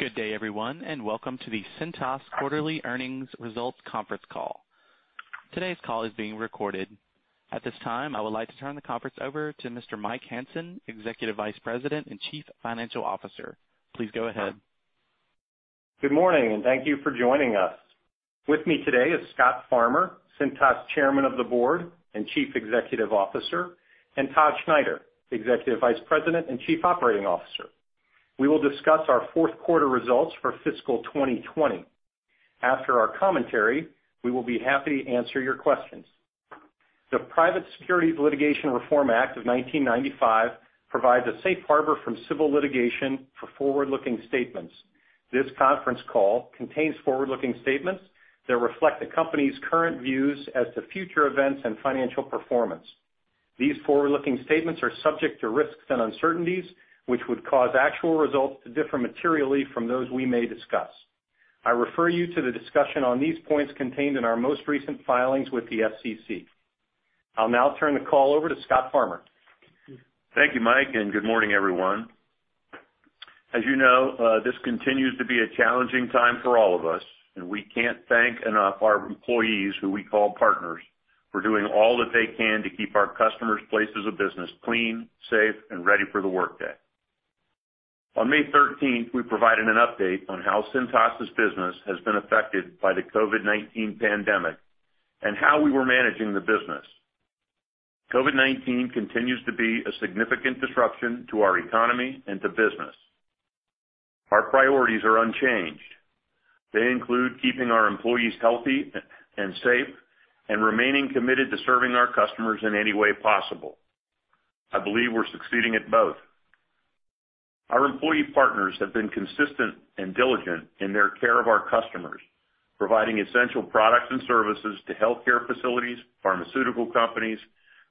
Good day, everyone, and welcome to the Cintas quarterly earnings results conference call. Today's call is being recorded. At this time, I would like to turn the conference over to Mr. Mike Hansen, Executive Vice President and Chief Financial Officer. Please go ahead. Good morning, and thank you for joining us. With me today is Scott Farmer, Cintas Chairman of the Board and Chief Executive Officer, and Todd Schneider, Executive Vice President and Chief Operating Officer. We will discuss our fourth quarter results for fiscal 2020. After our commentary, we will be happy to answer your questions. The Private Securities Litigation Reform Act of 1995 provides a safe harbor from civil litigation for forward-looking statements. This conference call contains forward-looking statements that reflect the company's current views as to future events and financial performance. These forward-looking statements are subject to risks and uncertainties, which would cause actual results to differ materially from those we may discuss. I refer you to the discussion on these points contained in our most recent filings with the SEC. I'll now turn the call over to Scott Farmer. Thank you, Mike, and good morning, everyone. As you know, this continues to be a challenging time for all of us, and we can't thank enough our employees, who we call partners, for doing all that they can to keep our customers' places of business clean, safe, and ready for the workday. On May 13th, we provided an update on how Cintas' business has been affected by the COVID-19 pandemic and how we were managing the business. COVID-19 continues to be a significant disruption to our economy and to business. Our priorities are unchanged. They include keeping our employees healthy and safe and remaining committed to serving our customers in any way possible. I believe we're succeeding at both. Our employee partners have been consistent and diligent in their care of our customers, providing essential products and services to healthcare facilities, pharmaceutical companies,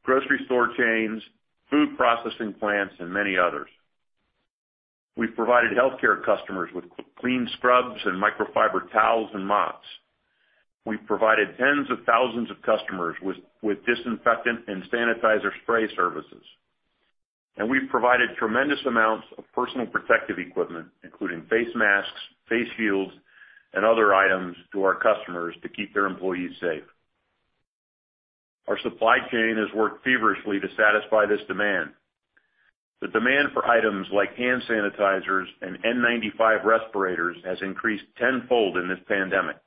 grocery store chains, food processing plants, and many others. We've provided healthcare customers with clean scrubs and microfiber towels and mops. We've provided tens of thousands of customers with disinfectant and sanitizer spray services. We've provided tremendous amounts of personal protective equipment, including face masks, face shields, and other items to our customers to keep their employees safe. Our supply chain has worked feverishly to satisfy this demand. The demand for items like hand sanitizers and N95 respirators has increased tenfold in this pandemic.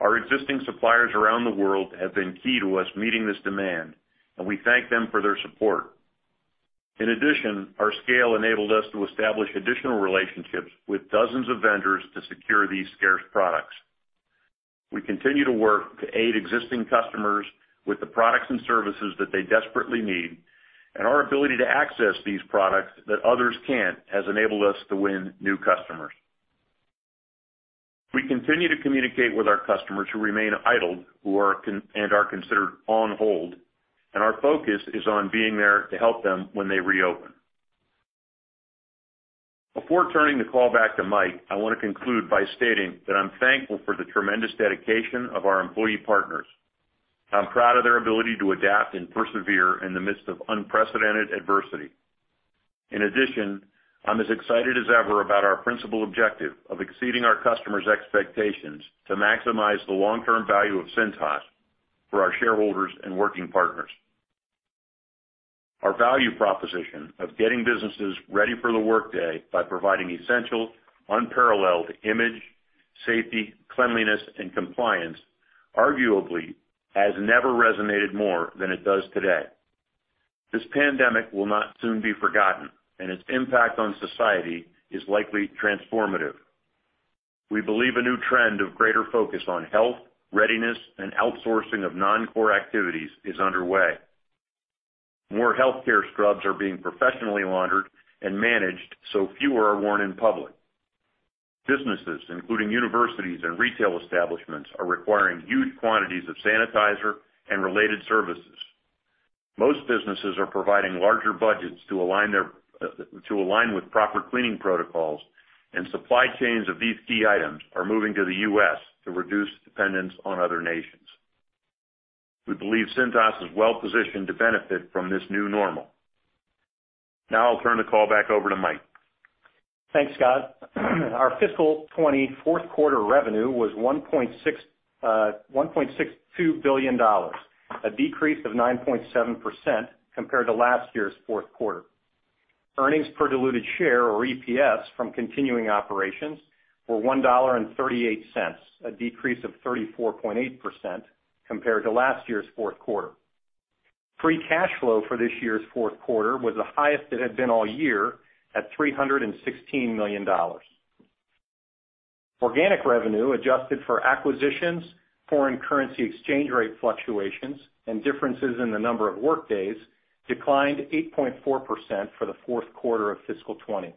Our existing suppliers around the world have been key to us meeting this demand, and we thank them for their support. In addition, our scale enabled us to establish additional relationships with dozens of vendors to secure these scarce products. We continue to work to aid existing customers with the products and services that they desperately need, and our ability to access these products that others can't has enabled us to win new customers. We continue to communicate with our customers who remain idled and are considered on hold, and our focus is on being there to help them when they reopen. Before turning the call back to Mike, I want to conclude by stating that I'm thankful for the tremendous dedication of our employee partners. I'm proud of their ability to adapt and persevere in the midst of unprecedented adversity. In addition, I'm as excited as ever about our principal objective of exceeding our customers' expectations to maximize the long-term value of Cintas for our shareholders and working partners. Our value proposition of getting businesses ready for the workday by providing essential, unparalleled image, safety, cleanliness, and compliance arguably has never resonated more than it does today. This pandemic will not soon be forgotten, and its impact on society is likely transformative. We believe a new trend of greater focus on health, readiness, and outsourcing of non-core activities is underway. More healthcare scrubs are being professionally laundered and managed, so fewer are worn in public. Businesses, including universities and retail establishments, are requiring huge quantities of sanitizer and related services. Most businesses are providing larger budgets to align with proper cleaning protocols, and supply chains of these key items are moving to the U.S. to reduce dependence on other nations. We believe Cintas is well positioned to benefit from this new normal. I'll turn the call back over to Mike. Thanks, Scott. Our fiscal 2020 fourth quarter revenue was $1.62 billion, a decrease of 9.7% compared to last year's fourth quarter. Earnings per diluted share or EPS from continuing operations were $1.38, a decrease of 34.8% compared to last year's fourth quarter. Free cash flow for this year's fourth quarter was the highest it had been all year at $316 million. Organic revenue adjusted for acquisitions, foreign currency exchange rate fluctuations, and differences in the number of workdays declined 8.4% for the fourth quarter of fiscal 2020.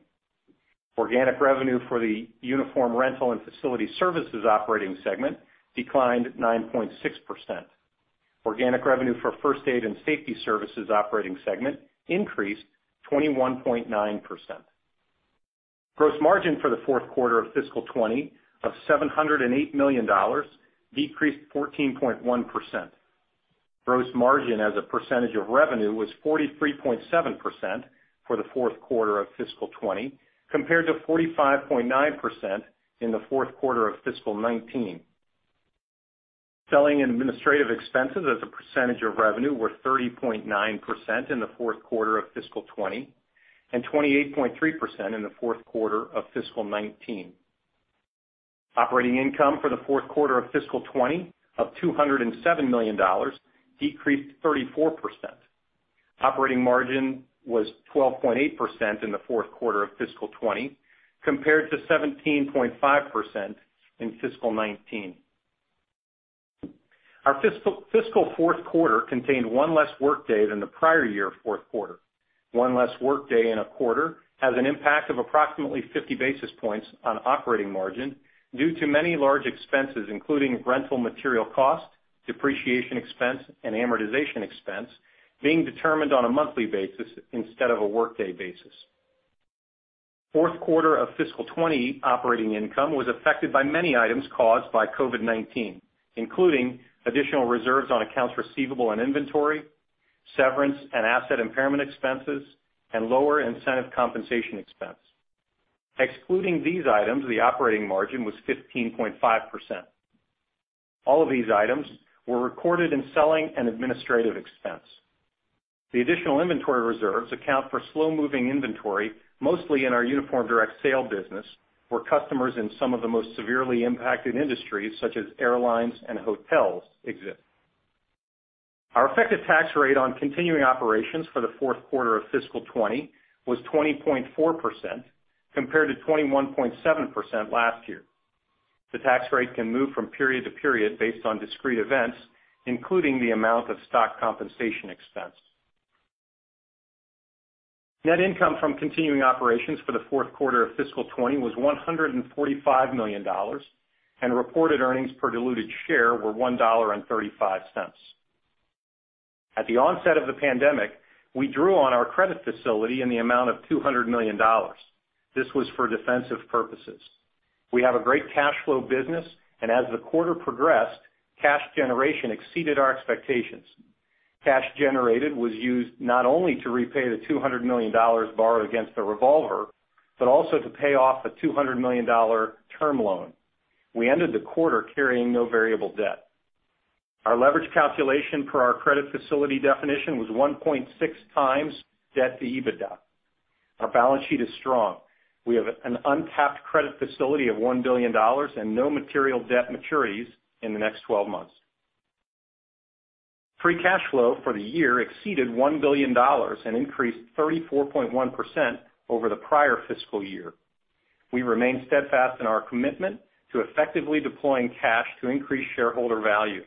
Organic revenue for the Uniform Rental and Facility Services operating segment declined 9.6%. Organic revenue for First Aid and Safety Services operating segment increased 21.9%. Gross margin for the fourth quarter of fiscal 2020 of $708 million, decreased 14.1%. Gross margin as a percentage of revenue was 43.7% for the fourth quarter of fiscal 2020, compared to 45.9% in the fourth quarter of fiscal 2019. Selling and administrative expenses as a percentage of revenue were 30.9% in the fourth quarter of fiscal 2020, and 28.3% in the fourth quarter of fiscal 2019. Operating income for the fourth quarter of fiscal 2020 of $207 million, decreased 34%. Operating margin was 12.8% in the fourth quarter of fiscal 2020, compared to 17.5% in fiscal 2019. Our fiscal fourth quarter contained one less workday than the prior year fourth quarter. One less workday in a quarter has an impact of approximately 50 basis points on operating margin due to many large expenses, including rental material cost, depreciation expense, and amortization expense being determined on a monthly basis instead of a workday basis. Fourth quarter of fiscal 2020 operating income was affected by many items caused by COVID-19, including additional reserves on accounts receivable and inventory, severance and asset impairment expenses, and lower incentive compensation expense. Excluding these items, the operating margin was 15.5%. All of these items were recorded in selling and administrative expense. The additional inventory reserves account for slow-moving inventory, mostly in our Uniform Direct Sale business, where customers in some of the most severely impacted industries, such as airlines and hotels, exist. Our effective tax rate on continuing operations for the fourth quarter of fiscal 2020 was 20.4%, compared to 21.7% last year. The tax rate can move from period to period based on discrete events, including the amount of stock compensation expense. Net income from continuing operations for the fourth quarter of fiscal 2020 was $145 million, and reported earnings per diluted share were $1.35. At the onset of the pandemic, we drew on our credit facility in the amount of $200 million. This was for defensive purposes. We have a great cash flow business, and as the quarter progressed, cash generation exceeded our expectations. Cash generated was used not only to repay the $200 million borrowed against the revolver, but also to pay off the $200 million term loan. We ended the quarter carrying no variable debt. Our leverage calculation for our credit facility definition was 1.6 times debt to EBITDA. Our balance sheet is strong. We have an untapped credit facility of $1 billion and no material debt maturities in the next 12 months. Free cash flow for the year exceeded $1 billion and increased 34.1% over the prior fiscal year. We remain steadfast in our commitment to effectively deploying cash to increase shareholder value.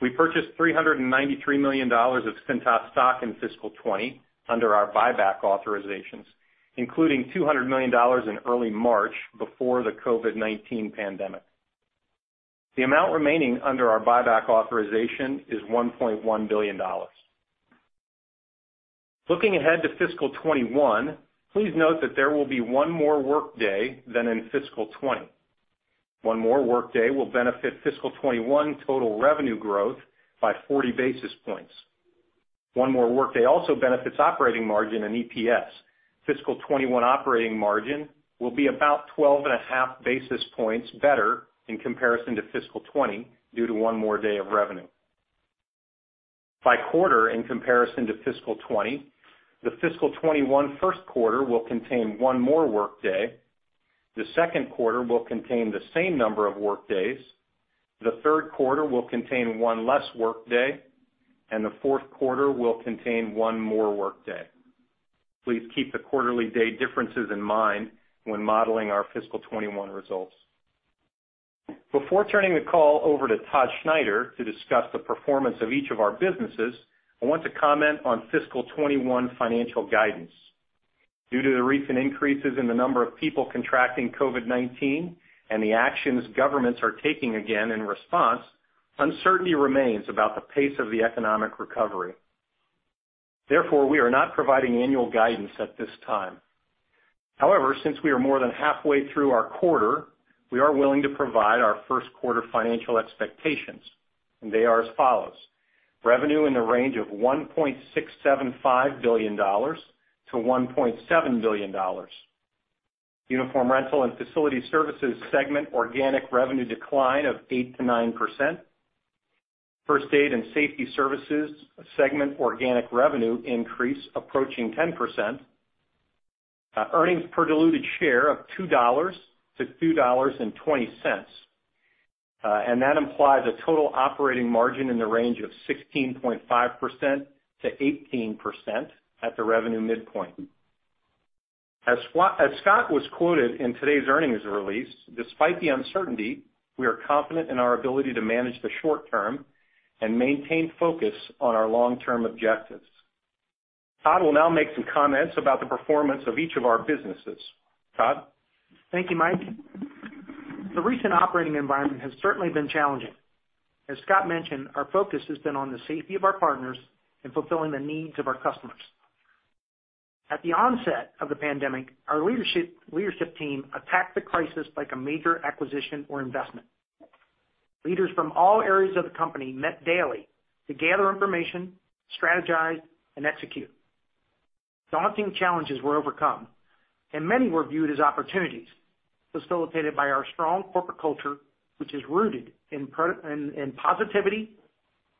We purchased $393 million of Cintas stock in fiscal 2020 under our buyback authorizations, including $200 million in early March before the COVID-19 pandemic. The amount remaining under our buyback authorization is $1.1 billion. Looking ahead to fiscal 2021, please note that there will be one more workday than in fiscal 2020. One more workday will benefit fiscal 2021 total revenue growth by 40 basis points. One more workday also benefits operating margin and EPS. Fiscal 2021 operating margin will be about 12.5 basis points better in comparison to fiscal 2020 due to one more day of revenue. By quarter in comparison to fiscal 2020, the fiscal 2021 first quarter will contain one more workday. The second quarter will contain the same number of workdays. The third quarter will contain one less workday, and the fourth quarter will contain one more workday. Please keep the quarterly day differences in mind when modeling our fiscal 2021 results. Before turning the call over to Todd Schneider to discuss the performance of each of our businesses, I want to comment on fiscal 2021 financial guidance. Due to the recent increases in the number of people contracting COVID-19 and the actions governments are taking again in response, uncertainty remains about the pace of the economic recovery. We are not providing annual guidance at this time. Since we are more than halfway through our quarter, we are willing to provide our first quarter financial expectations, and they are as follows. Revenue in the range of $1.675 billion-$1.7 billion. Uniform Rental and Facility Services segment organic revenue decline of 8%-9%. First Aid and Safety Services, a segment organic revenue increase approaching 10%. Earnings per diluted share of $2.00-$2.20. That implies a total operating margin in the range of 16.5%-18% at the revenue midpoint. As Scott was quoted in today's earnings release, "Despite the uncertainty, we are confident in our ability to manage the short term and maintain focus on our long-term objectives." Todd will now make some comments about the performance of each of our businesses. Todd? Thank you, Mike. The recent operating environment has certainly been challenging. As Scott mentioned, our focus has been on the safety of our partners and fulfilling the needs of our customers. At the onset of the pandemic, our leadership team attacked the crisis like a major acquisition or investment. Leaders from all areas of the company met daily to gather information, strategize, and execute. Daunting challenges were overcome, many were viewed as opportunities, facilitated by our strong corporate culture, which is rooted in positivity,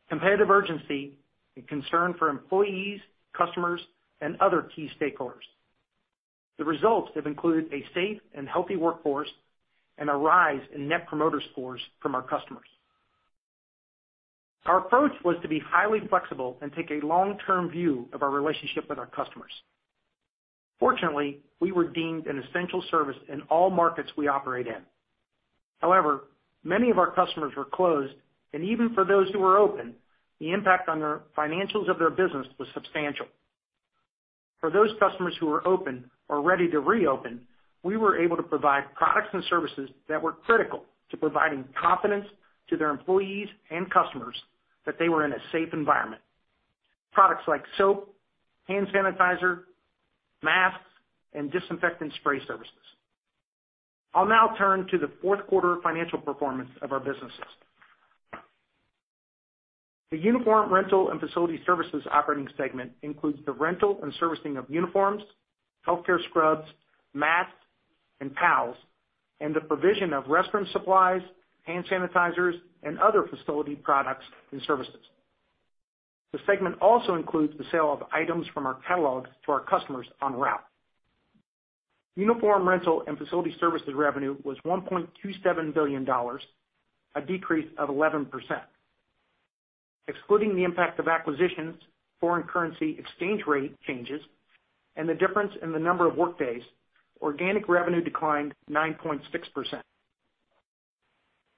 competitive urgency, and concern for employees, customers, and other key stakeholders. The results have included a safe and healthy workforce and a rise in net promoter scores from our customers. Our approach was to be highly flexible and take a long-term view of our relationship with our customers. Fortunately, we were deemed an essential service in all markets we operate in. However, many of our customers were closed, and even for those who were open, the impact on their financials of their business was substantial. For those customers who were open or ready to reopen, we were able to provide products and services that were critical to providing confidence to their employees and customers that they were in a safe environment. Products like soap, hand sanitizer, masks, and disinfectant spray services. I'll now turn to the fourth quarter financial performance of our businesses. The Uniform Rental and Facility Services operating segment includes the rental and servicing of uniforms, healthcare scrubs, masks, and towels, and the provision of restroom supplies, hand sanitizers, and other facility products and services. The segment also includes the sale of items from our catalog to our customers on route. Uniform Rental and Facility Services revenue was $1.27 billion, a decrease of 11%. Excluding the impact of acquisitions, foreign currency exchange rate changes, and the difference in the number of workdays, organic revenue declined 9.6%.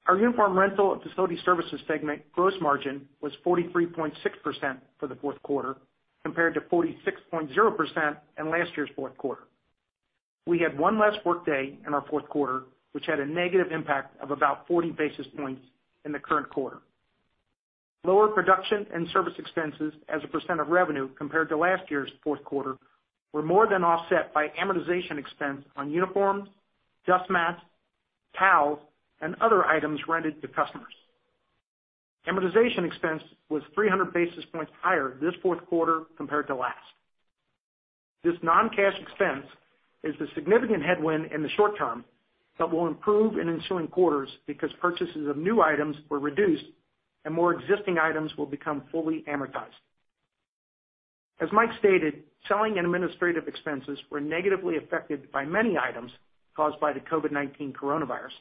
Our Uniform Rental and Facility Services segment gross margin was 43.6% for the fourth quarter, compared to 46.0% in last year's fourth quarter. We had one less workday in our fourth quarter, which had a negative impact of about 40 basis points in the current quarter. Lower production and service expenses as a percent of revenue compared to last year's fourth quarter were more than offset by amortization expense on uniforms, dust masks, towels, and other items rented to customers. Amortization expense was 300 basis points higher this fourth quarter compared to last. This non-cash expense is a significant headwind in the short term that will improve in ensuing quarters because purchases of new items were reduced and more existing items will become fully amortized. As Mike stated, selling and administrative expenses were negatively affected by many items caused by the COVID-19 coronavirus.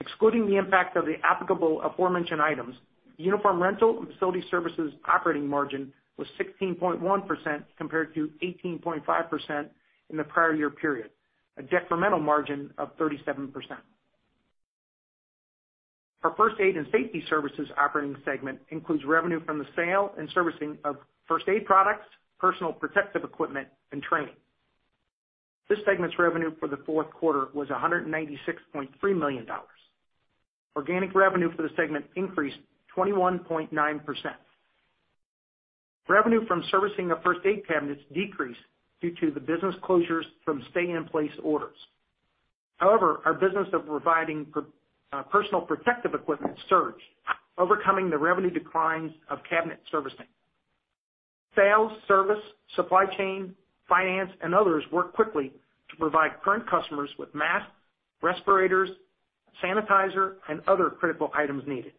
Excluding the impact of the applicable aforementioned items, Uniform Rental and Facility Services operating margin was 16.1% compared to 18.5% in the prior year period, a decremental margin of 37%. Our First Aid and Safety Services operating segment includes revenue from the sale and servicing of first aid products, personal protective equipment, and training. This segment's revenue for the fourth quarter was $196.3 million. Organic revenue for the segment increased 21.9%. Revenue from servicing of first aid cabinets decreased due to the business closures from stay in place orders. However, our business of providing personal protective equipment surged, overcoming the revenue declines of cabinet servicing. Sales, service, supply chain, finance, and others worked quickly to provide current customers with masks, respirators, sanitizer, and other critical items needed.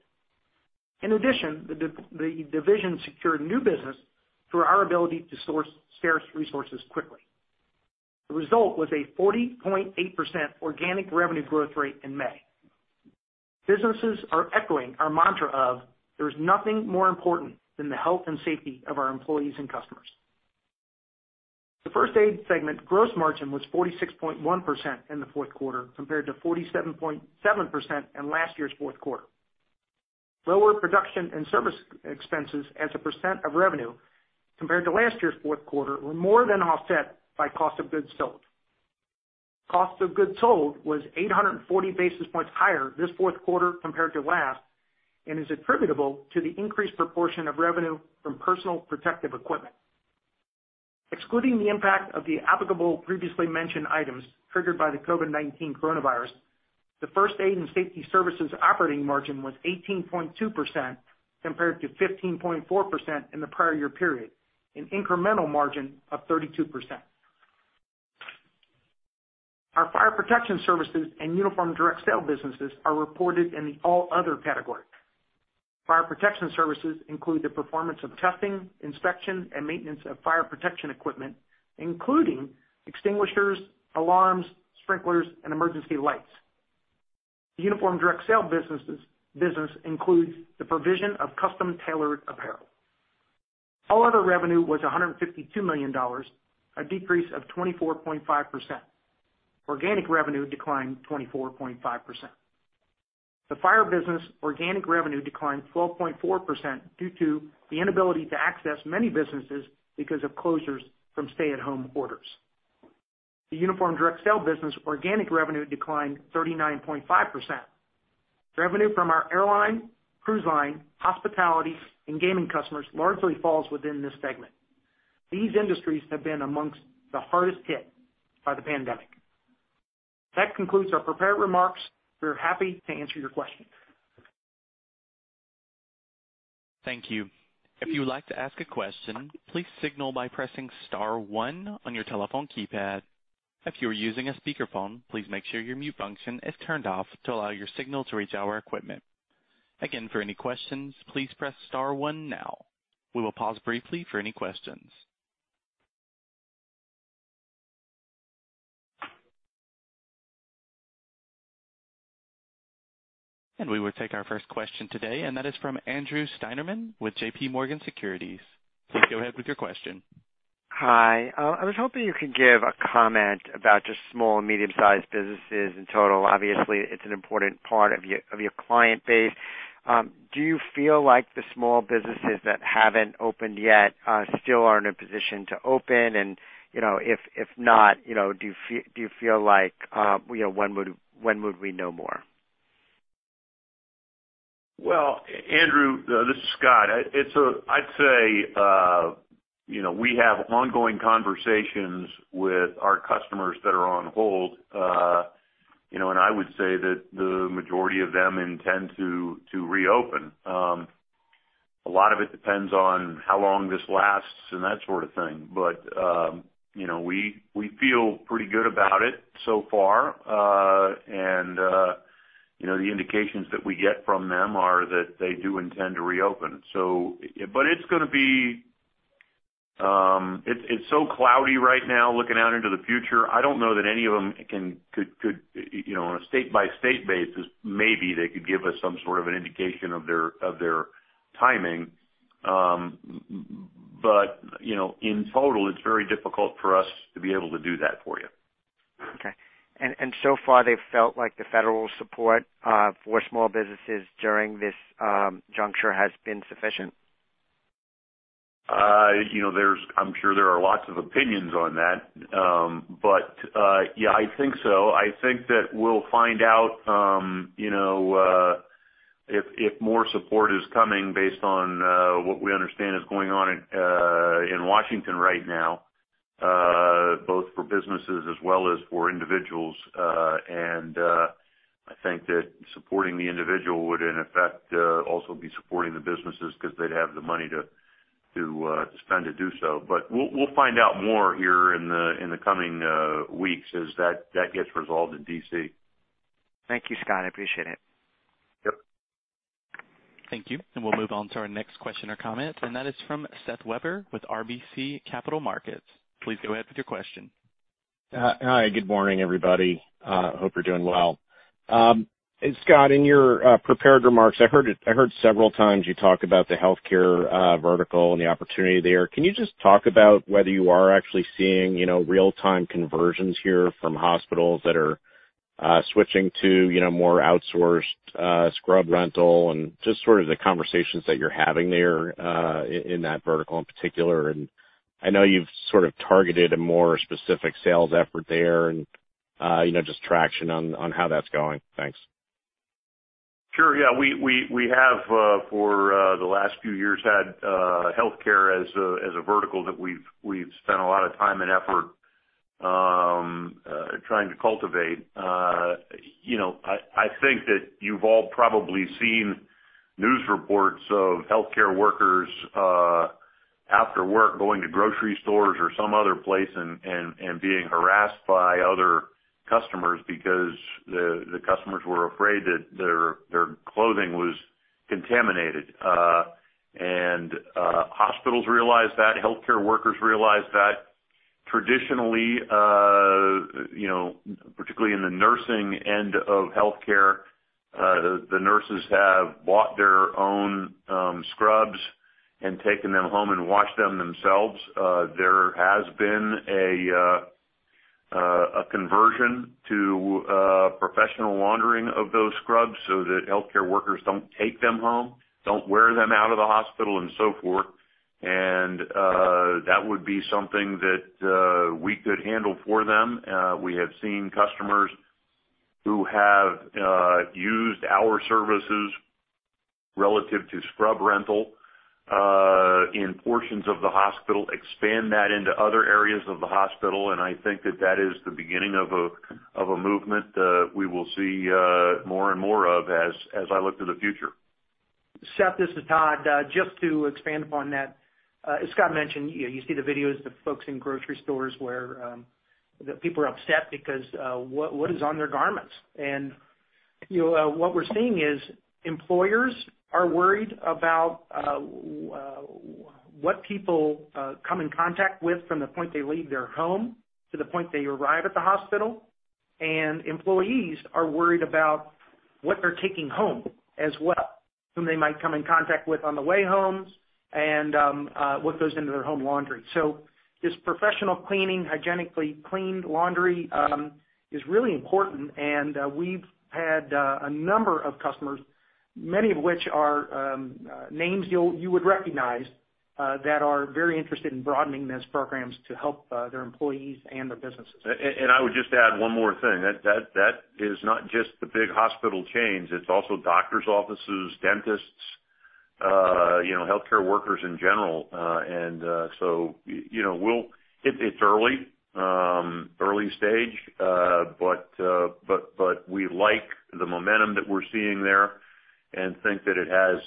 The division secured new business through our ability to source resources quickly. The result was a 40.8% organic revenue growth rate in May. Businesses are echoing our mantra of, "There's nothing more important than the health and safety of our employees and customers." The first aid segment gross margin was 46.1% in the fourth quarter, compared to 47.7% in last year's fourth quarter. Lower production and service expenses as a percent of revenue compared to last year's fourth quarter were more than offset by cost of goods sold. Cost of goods sold was 840 basis points higher this fourth quarter compared to last and is attributable to the increased proportion of revenue from personal protective equipment. Excluding the impact of the applicable previously mentioned items triggered by the COVID-19 coronavirus, the First Aid and Safety Services operating margin was 18.2% compared to 15.4% in the prior year period, an incremental margin of 32%. Our Fire Protection Services and Uniform Direct Sale businesses are reported in the All Other category. Fire Protection Services include the performance of testing, inspection, and maintenance of fire protection equipment, including extinguishers, alarms, sprinklers, and emergency lights. The Uniform Direct Sale business includes the provision of custom-tailored apparel. All Other revenue was $152 million, a decrease of 24.5%. Organic revenue declined 24.5%. The fire business organic revenue declined 12.4% due to the inability to access many businesses because of closures from stay-at-home orders. The Uniform Direct Sale business organic revenue declined 39.5%. Revenue from our airline, cruise line, hospitality, and gaming customers largely falls within this segment. These industries have been amongst the hardest hit by the pandemic. That concludes our prepared remarks. We're happy to answer your questions. Thank you. If you'd like to ask a question, please signal by pressing star one on your telephone keypad. If you are using a speakerphone, please make sure your mute function is turned off to allow your signal to reach our equipment. Again, for any questions, please press star one now. We will pause briefly for any questions. We will take our first question today, and that is from Andrew Steinerman with JPMorgan Securities. Please go ahead with your question. Hi. I was hoping you could give a comment about just small and medium-sized businesses in total. Obviously, it's an important part of your client base. Do you feel like the small businesses that haven't opened yet still are in a position to open? If not, do you feel like when would we know more? Well, Andrew, this is Scott. I'd say, we have ongoing conversations with our customers that are on hold. I would say that the majority of them intend to reopen. A lot of it depends on how long this lasts and that sort of thing. We feel pretty good about it so far. The indications that we get from them are that they do intend to reopen. It's so cloudy right now looking out into the future. I don't know that any of them, on a state-by-state basis, maybe they could give us some sort of an indication of their timing. In total, it's very difficult for us to be able to do that for you. Okay. So far, they've felt like the federal support for small businesses during this juncture has been sufficient? I'm sure there are lots of opinions on that. Yeah, I think so. I think that we'll find out if more support is coming based on what we understand is going on in Washington D.C. right now, both for businesses as well as for individuals. I think that supporting the individual would, in effect, also be supporting the businesses because they'd have the money to spend to do so. We'll find out more here in the coming weeks as that gets resolved in D.C. Thank you, Scott. I appreciate it. Yep. Thank you. We'll move on to our next question or comment, and that is from Seth Weber with RBC Capital Markets. Please go ahead with your question. Hi, good morning, everybody. Hope you're doing well. Scott, in your prepared remarks, I heard several times you talk about the healthcare vertical and the opportunity there. Can you just talk about whether you are actually seeing real-time conversions here from hospitals that are switching to more outsourced scrub rental and just sort of the conversations that you're having there, in that vertical in particular? I know you've sort of targeted a more specific sales effort there and just traction on how that's going. Thanks. Sure. Yeah. We have, for the last few years, had healthcare as a vertical that we've spent a lot of time and effort trying to cultivate. I think that you've all probably seen news reports of healthcare workers after work going to grocery stores or some other place and being harassed by other customers because the customers were afraid that their clothing was contaminated. Hospitals realized that, healthcare workers realized that. Traditionally, particularly in the nursing end of healthcare, the nurses have bought their own scrubs and taken them home and washed them themselves. There has been a conversion to professional laundering of those scrubs so that healthcare workers don't take them home, don't wear them out of the hospital, and so forth. That would be something that we could handle for them. We have seen customers who have used our services relative to scrub rental in portions of the hospital, expand that into other areas of the hospital, and I think that that is the beginning of a movement, we will see more and more of as I look to the future. Seth, this is Todd. Just to expand upon that. As Scott mentioned, you see the videos of folks in grocery stores where the people are upset because what is on their garments. What we're seeing is employers are worried about what people come in contact with from the point they leave their home to the point they arrive at the hospital. Employees are worried about what they're taking home as well, whom they might come in contact with on the way home, and what goes into their home laundry. This professional cleaning, hygienically cleaned laundry, is really important, and we've had a number of customers, many of which are names you would recognize that are very interested in broadening those programs to help their employees and their businesses. I would just add one more thing. That is not just the big hospital chains, it's also doctors' offices, dentists, healthcare workers in general. It's early stage, but we like the momentum that we're seeing there and think that it has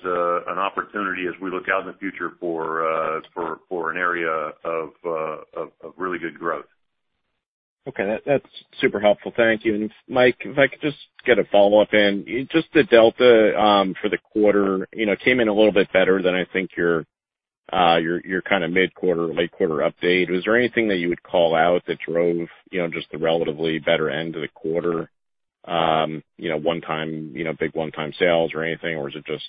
an opportunity as we look out in the future for an area of really good growth. Okay. That's super helpful. Thank you. Mike, if I could just get a follow-up in. Just the delta for the quarter came in a little bit better than I think your mid-quarter or late-quarter update. Was there anything that you would call out that drove just the relatively better end of the quarter? Big one-time sales or anything? Is it just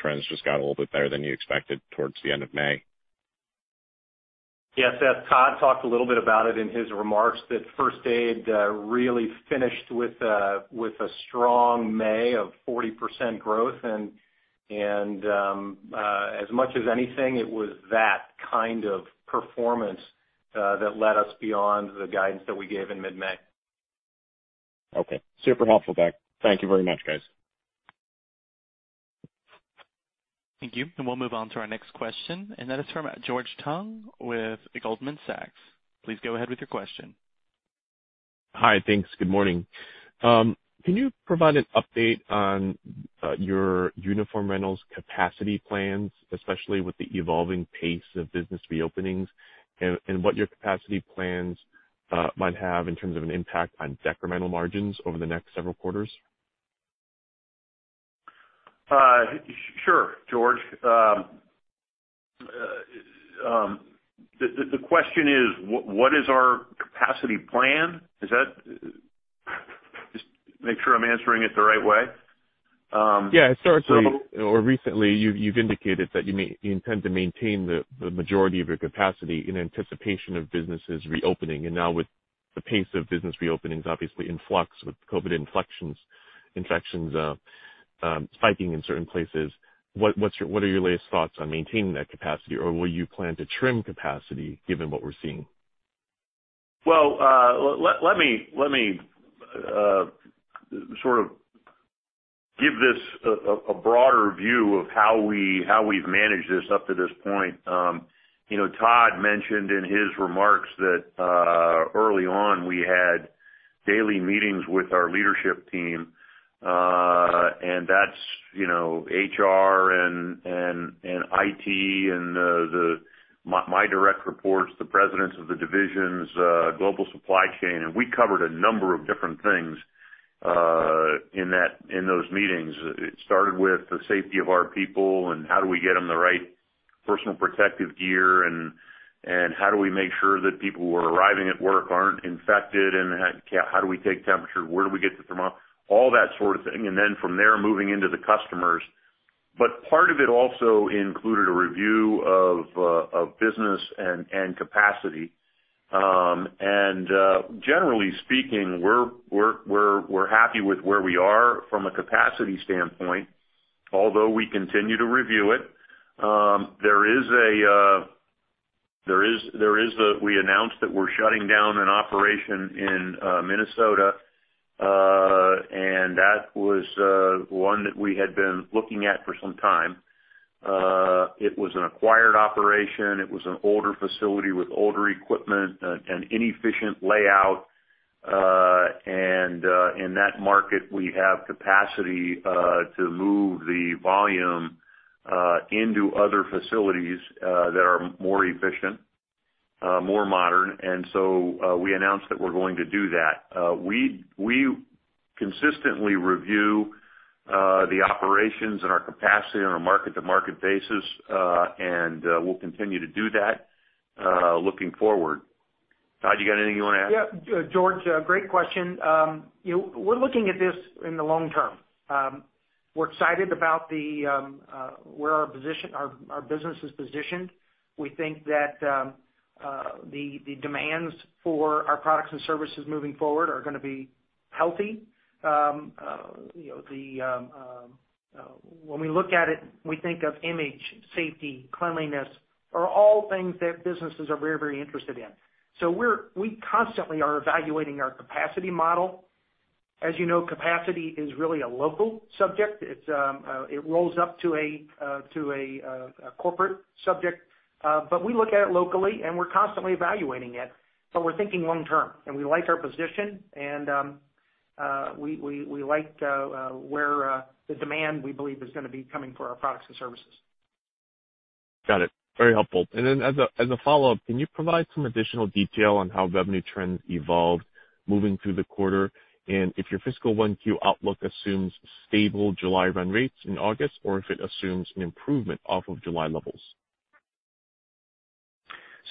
trends just got a little bit better than you expected towards the end of May? Yes. Todd talked a little bit about it in his remarks, that first aid really finished with a strong May of 40% growth. As much as anything, it was that kind of performance that led us beyond the guidance that we gave in mid-May. Okay. Super helpful. Thank you very much, guys. Thank you. We'll move on to our next question, and that is from George Tong with Goldman Sachs. Please go ahead with your question. Hi. Thanks. Good morning. Can you provide an update on your uniform rentals capacity plans, especially with the evolving pace of business reopenings? What your capacity plans might have in terms of an impact on decremental margins over the next several quarters? Sure, George. The question is, what is our capacity plan? Just make sure I'm answering it the right way. Historically or recently, you've indicated that you intend to maintain the majority of your capacity in anticipation of businesses reopening. Now with the pace of business reopenings obviously in flux with COVID infections spiking in certain places, what are your latest thoughts on maintaining that capacity? Will you plan to trim capacity given what we're seeing? Well, let me sort of give this a broader view of how we've managed this up to this point. Todd mentioned in his remarks that early on we had daily meetings with our leadership team. That's HR and IT and my direct reports, the presidents of the divisions, global supply chain, and we covered a number of different things in those meetings. It started with the safety of our people and how do we get them the right personal protective gear, and how do we make sure that people who are arriving at work aren't infected, and how do we take temperature? Where do we get the thermometers? All that sort of thing. From there, moving into the customers. Part of it also included a review of business and capacity. Generally speaking, we're happy with where we are from a capacity standpoint, although we continue to review it. We announced that we're shutting down an operation in Minnesota, and that was one that we had been looking at for some time. It was an acquired operation. It was an older facility with older equipment, an inefficient layout. In that market, we have capacity to move the volume into other facilities that are more efficient, more modern. So we announced that we're going to do that. We consistently review the operations and our capacity on a market-to-market basis. We'll continue to do that looking forward. Todd, you got anything you want to add? Yeah. George, great question. We're looking at this in the long term. We're excited about where our business is positioned. We think that the demands for our products and services moving forward are going to be healthy. When we look at it, we think of image, safety, cleanliness, are all things that businesses are very interested in. We constantly are evaluating our capacity model. As you know, capacity is really a local subject. It rolls up to a corporate subject. We look at it locally, and we're constantly evaluating it, but we're thinking long term, and we like our position and we like where the demand we believe is going to be coming for our products and services. Got it. Very helpful. As a follow-up, can you provide some additional detail on how revenue trends evolved moving through the quarter? If your fiscal 1Q outlook assumes stable July run rates in August, or if it assumes an improvement off of July levels?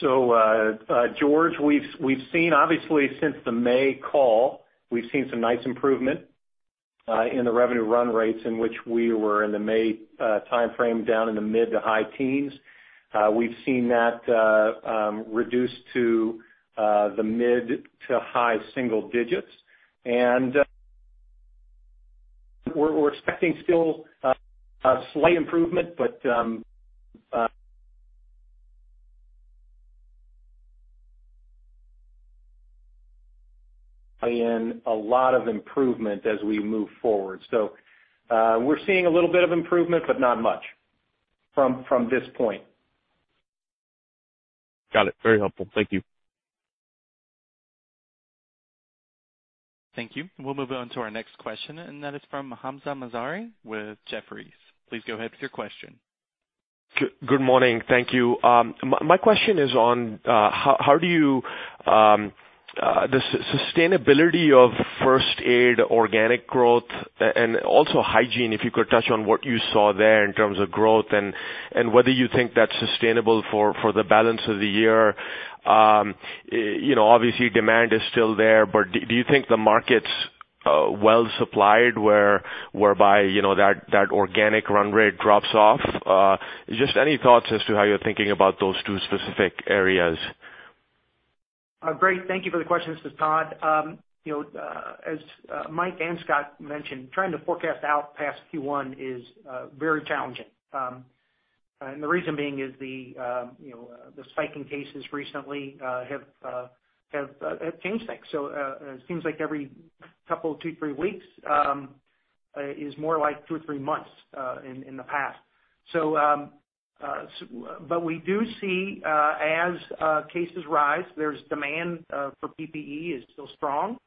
George, obviously since the May call, we've seen some nice improvement in the revenue run rates in which we were in the May timeframe down in the mid to high teens. We've seen that reduced to the mid to high single digits. We're expecting still a slight improvement as we move forward. We're seeing a little bit of improvement, but not much from this point. Got it. Very helpful. Thank you. Thank you. We'll move on to our next question, and that is from Hamzah Mazari with Jefferies. Please go ahead with your question. Good morning. Thank you. My question is on the sustainability of First Aid organic growth and also hygiene, if you could touch on what you saw there in terms of growth and whether you think that's sustainable for the balance of the year. Obviously demand is still there, do you think the market's well-supplied, whereby that organic run rate drops off? Just any thoughts as to how you're thinking about those two specific areas. Great. Thank you for the question. This is Todd. As Mike and Scott mentioned, trying to forecast out past Q1 is very challenging. The reason being is the spiking cases recently have changed things. It seems like every couple two, three weeks, is more like two or three months in the past. We do see, as cases rise, there's demand for PPE is still strong.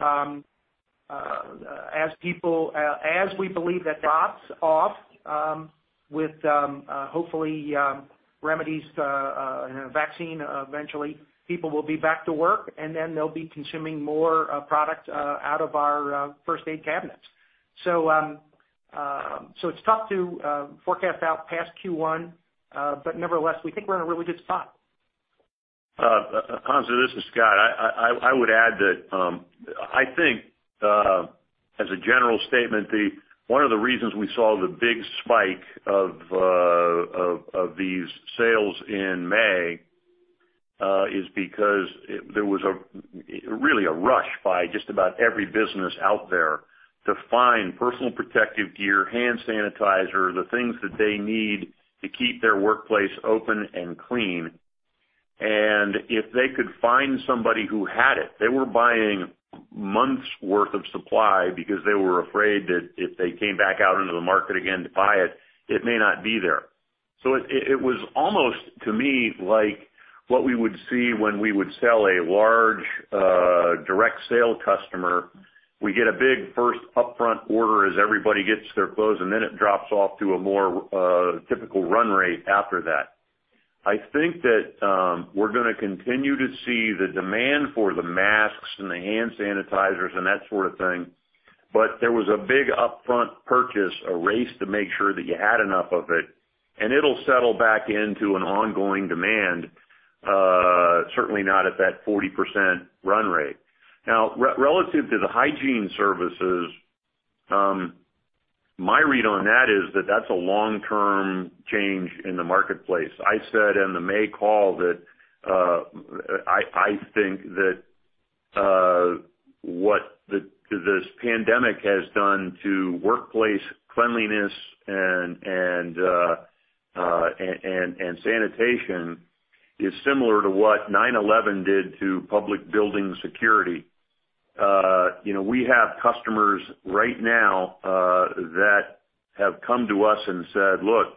As we believe that drops off with hopefully remedies, vaccine, eventually people will be back to work and then they'll be consuming more product out of our first aid cabinets. It's tough to forecast out past Q1, but nevertheless, we think we're in a really good spot. Hamzah, this is Scott. I would add that, I think as a general statement, one of the reasons we saw the big spike of these sales in May, is because there was really a rush by just about every business out there to find personal protective gear, hand sanitizer, the things that they need to keep their workplace open and clean. If they could find somebody who had it, they were buying months worth of supply because they were afraid that if they came back out into the market again to buy it may not be there. It was almost, to me, like what we would see when we would sell a large direct sale customer. We get a big first upfront order as everybody gets their goods, and then it drops off to a more typical run rate after that. I think that we're gonna continue to see the demand for the masks and the hand sanitizers and that sort of thing, but there was a big upfront purchase, a race to make sure that you had enough of it, and it'll settle back into an ongoing demand. Certainly not at that 40% run rate. Now, relative to the hygiene services, my read on that is that's a long-term change in the marketplace. I said in the May call that I think that what this pandemic has done to workplace cleanliness and sanitation is similar to what 9/11 did to public building security. We have customers right now that have come to us and said, "Look,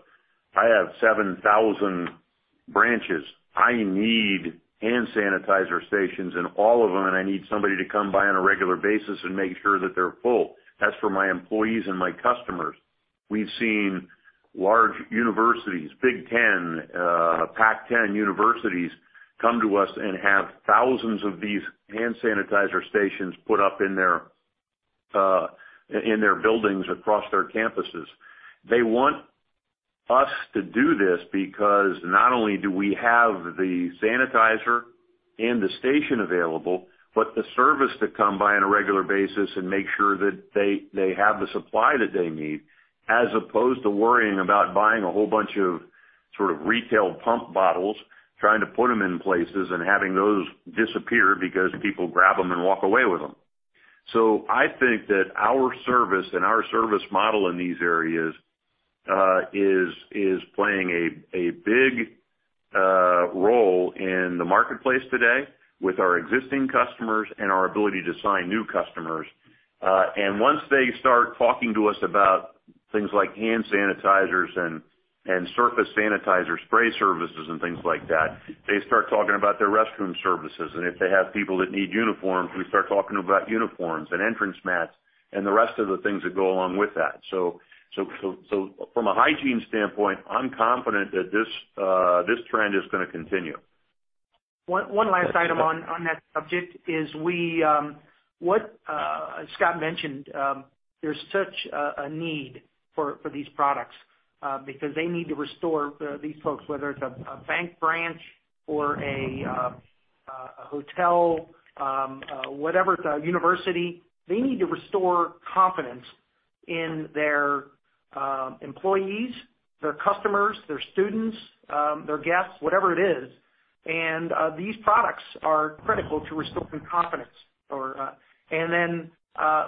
I have 7,000 branches. I need hand sanitizer stations in all of them, and I need somebody to come by on a regular basis and make sure that they're full. That's for my employees and my customers. We've seen large universities, Big Ten, Pac-12 universities, come to us and have thousands of these hand sanitizer stations put up in their buildings across their campuses. They want us to do this because not only do we have the sanitizer and the station available, but the service to come by on a regular basis and make sure that they have the supply that they need, as opposed to worrying about buying a whole bunch of retail pump bottles, trying to put them in places and having those disappear because people grab them and walk away with them. I think that our service and our service model in these areas is playing a big role in the marketplace today with our existing customers and our ability to sign new customers. Once they start talking to us about things like hand sanitizers and surface sanitizer spray services and things like that, they start talking about their restroom services. If they have people that need uniforms, we start talking about uniforms and entrance mats and the rest of the things that go along with that. From a hygiene standpoint, I'm confident that this trend is gonna continue. One last item on that subject is as Scott mentioned, there's such a need for these products, because they need to restore these folks, whether it's a bank branch or a hotel, whatever, it's a university. They need to restore confidence in their employees, their customers, their students, their guests, whatever it is. These products are critical to restoring confidence.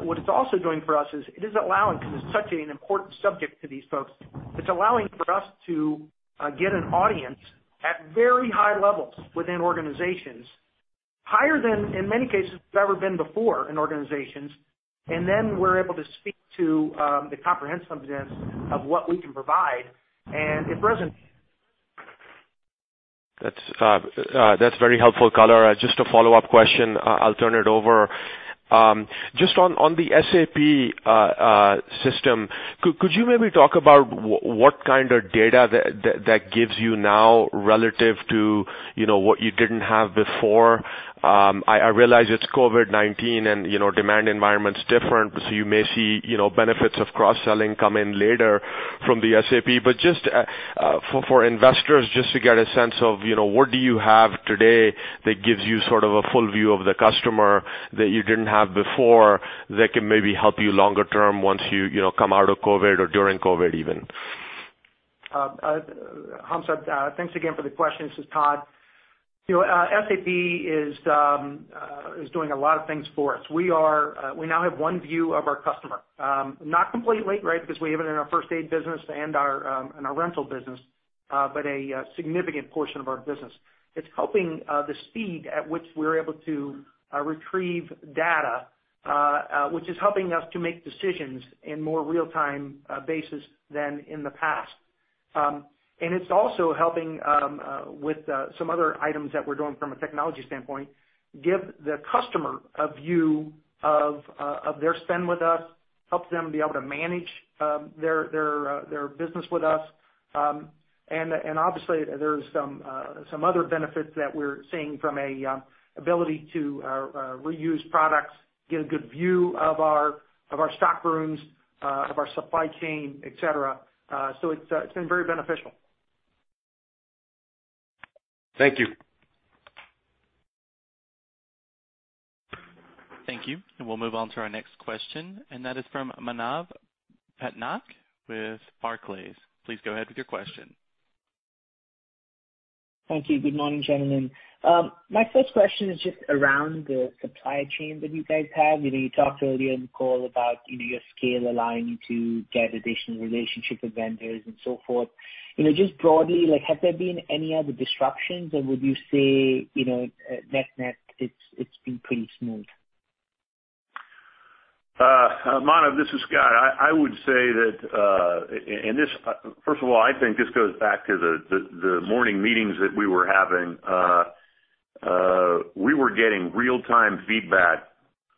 What it's also doing for us is it is allowing, because it's such an important subject to these folks, it's allowing for us to get an audience at very high levels within organizations, higher than, in many cases, we've ever been before in organizations. We're able to speak to the comprehensiveness of what we can provide and it resonates. That's very helpful color. Just a follow-up question, I'll turn it over. Just on the SAP system, could you maybe talk about what kind of data that gives you now relative to what you didn't have before? I realize it's COVID-19 and demand environment's different. You may see benefits of cross-selling come in later from the SAP. Just for investors, just to get a sense of what do you have today that gives you sort of a full view of the customer that you didn't have before, that can maybe help you longer term once you come out of COVID or during COVID, even. Hamzah, thanks again for the question. This is Todd. SAP is doing a lot of things for us. We now have one view of our customer. Not completely, because we have it in our First Aid business and our Rental business, but a significant portion of our business. It's helping the speed at which we're able to retrieve data, which is helping us to make decisions in more real-time basis than in the past. It's also helping with some other items that we're doing from a technology standpoint, give the customer a view of their spend with us, helps them be able to manage their business with us. Obviously, there's some other benefits that we're seeing from a ability to reuse products, get a good view of our stock rooms, of our supply chain, et cetera. It's been very beneficial. Thank you. Thank you. We'll move on to our next question. That is from Manav Patnaik with Barclays. Please go ahead with your question. Thank you. Good morning, gentlemen. My first question is just around the supply chain that you guys have. You talked earlier in the call about your scale aligning to get additional relationship with vendors and so forth. Just broadly, have there been any other disruptions or would you say, net-net, it's been pretty smooth? Manav, this is Scott. I would say that, first of all, I think this goes back to the morning meetings that we were having. We were getting real-time feedback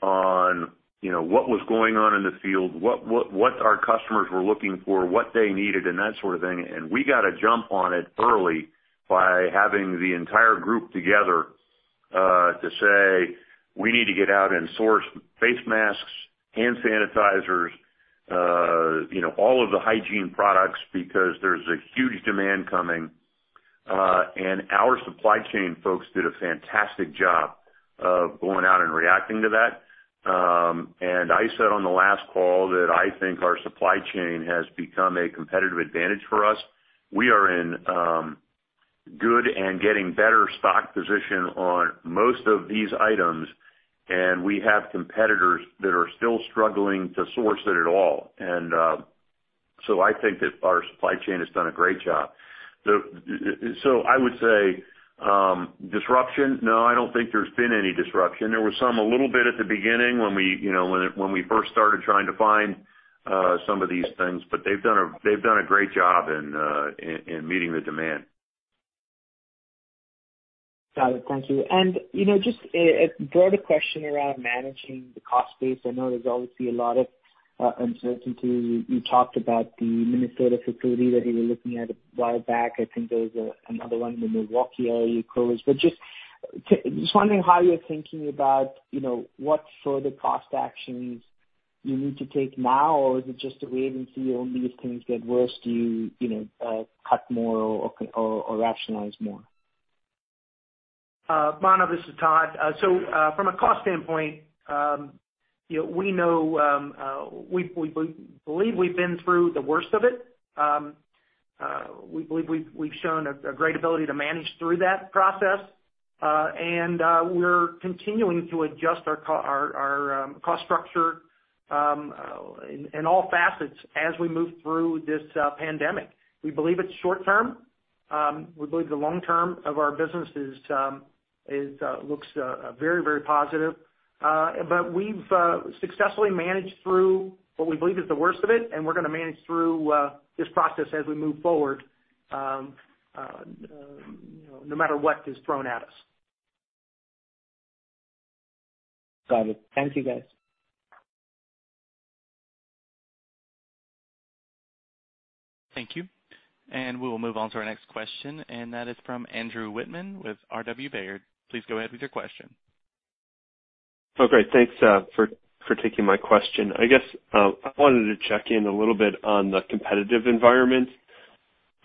on what was going on in the field, what our customers were looking for, what they needed, and that sort of thing. We got a jump on it early by having the entire group together to say, "We need to get out and source face masks, hand sanitizers, all of the hygiene products, because there's a huge demand coming." Our supply chain folks did a fantastic job of going out and reacting to that. I said on the last call that I think our supply chain has become a competitive advantage for us. We are in good and getting better stock position on most of these items, and we have competitors that are still struggling to source it at all. I think that our supply chain has done a great job. I would say, disruption, no, I don't think there's been any disruption. There was some a little bit at the beginning when we first started trying to find some of these things, but they've done a great job in meeting the demand. Got it. Thank you. Just a broader question around managing the cost base. I know there's obviously a lot of uncertainty. You talked about the Minnesota facility that you were looking at a while back. I think there was another one in the Milwaukee area you closed. Just wondering how you're thinking about what further cost actions you need to take now? Is it just to wait and see, only if things get worse do you cut more or rationalize more? Manav, this is Todd. From a cost standpoint, we believe we've been through the worst of it. We believe we've shown a great ability to manage through that process. We're continuing to adjust our cost structure in all facets as we move through this pandemic. We believe it's short-term. We believe the long term of our business looks very positive. We've successfully managed through what we believe is the worst of it, and we're going to manage through this process as we move forward, no matter what is thrown at us. Got it. Thank you, guys. Thank you. We will move on to our next question, that is from Andrew Wittmann with R.W. Baird. Please go ahead with your question. Oh, great. Thanks for taking my question. I guess I wanted to check in a little bit on the competitive environment.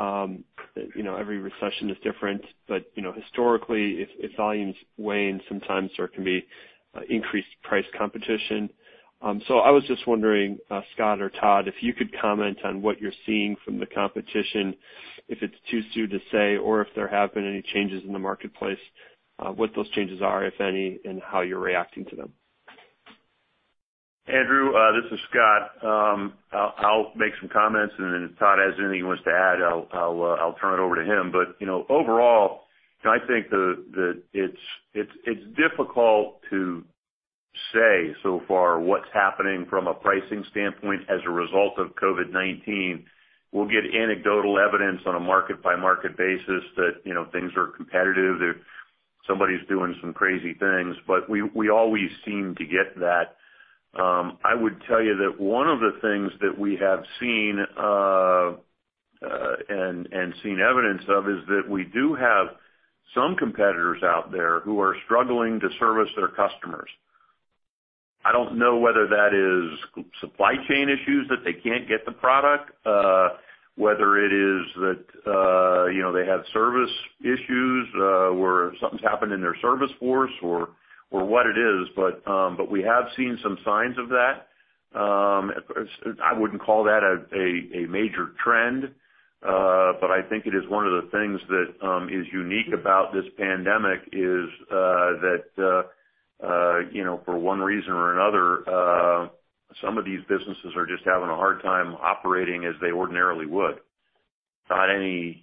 Every recession is different, but historically, if volumes wane, sometimes there can be increased price competition. I was just wondering, Scott or Todd, if you could comment on what you're seeing from the competition, if it's too soon to say, or if there have been any changes in the marketplace, what those changes are, if any, and how you're reacting to them. Andrew, this is Scott. I'll make some comments, and then if Todd has anything he wants to add, I'll turn it over to him. Overall, I think that it's difficult to say so far what's happening from a pricing standpoint as a result of COVID-19. We'll get anecdotal evidence on a market-by-market basis that things are competitive, that somebody's doing some crazy things. We always seem to get that. I would tell you that one of the things that we have seen, and seen evidence of, is that we do have some competitors out there who are struggling to service their customers. I don't know whether that is supply chain issues, that they can't get the product, whether it is that they have service issues, where something's happened in their service force, or what it is, but we have seen some signs of that. I wouldn't call that a major trend, but I think it is one of the things that is unique about this pandemic is that for one reason or another, some of these businesses are just having a hard time operating as they ordinarily would. Todd, any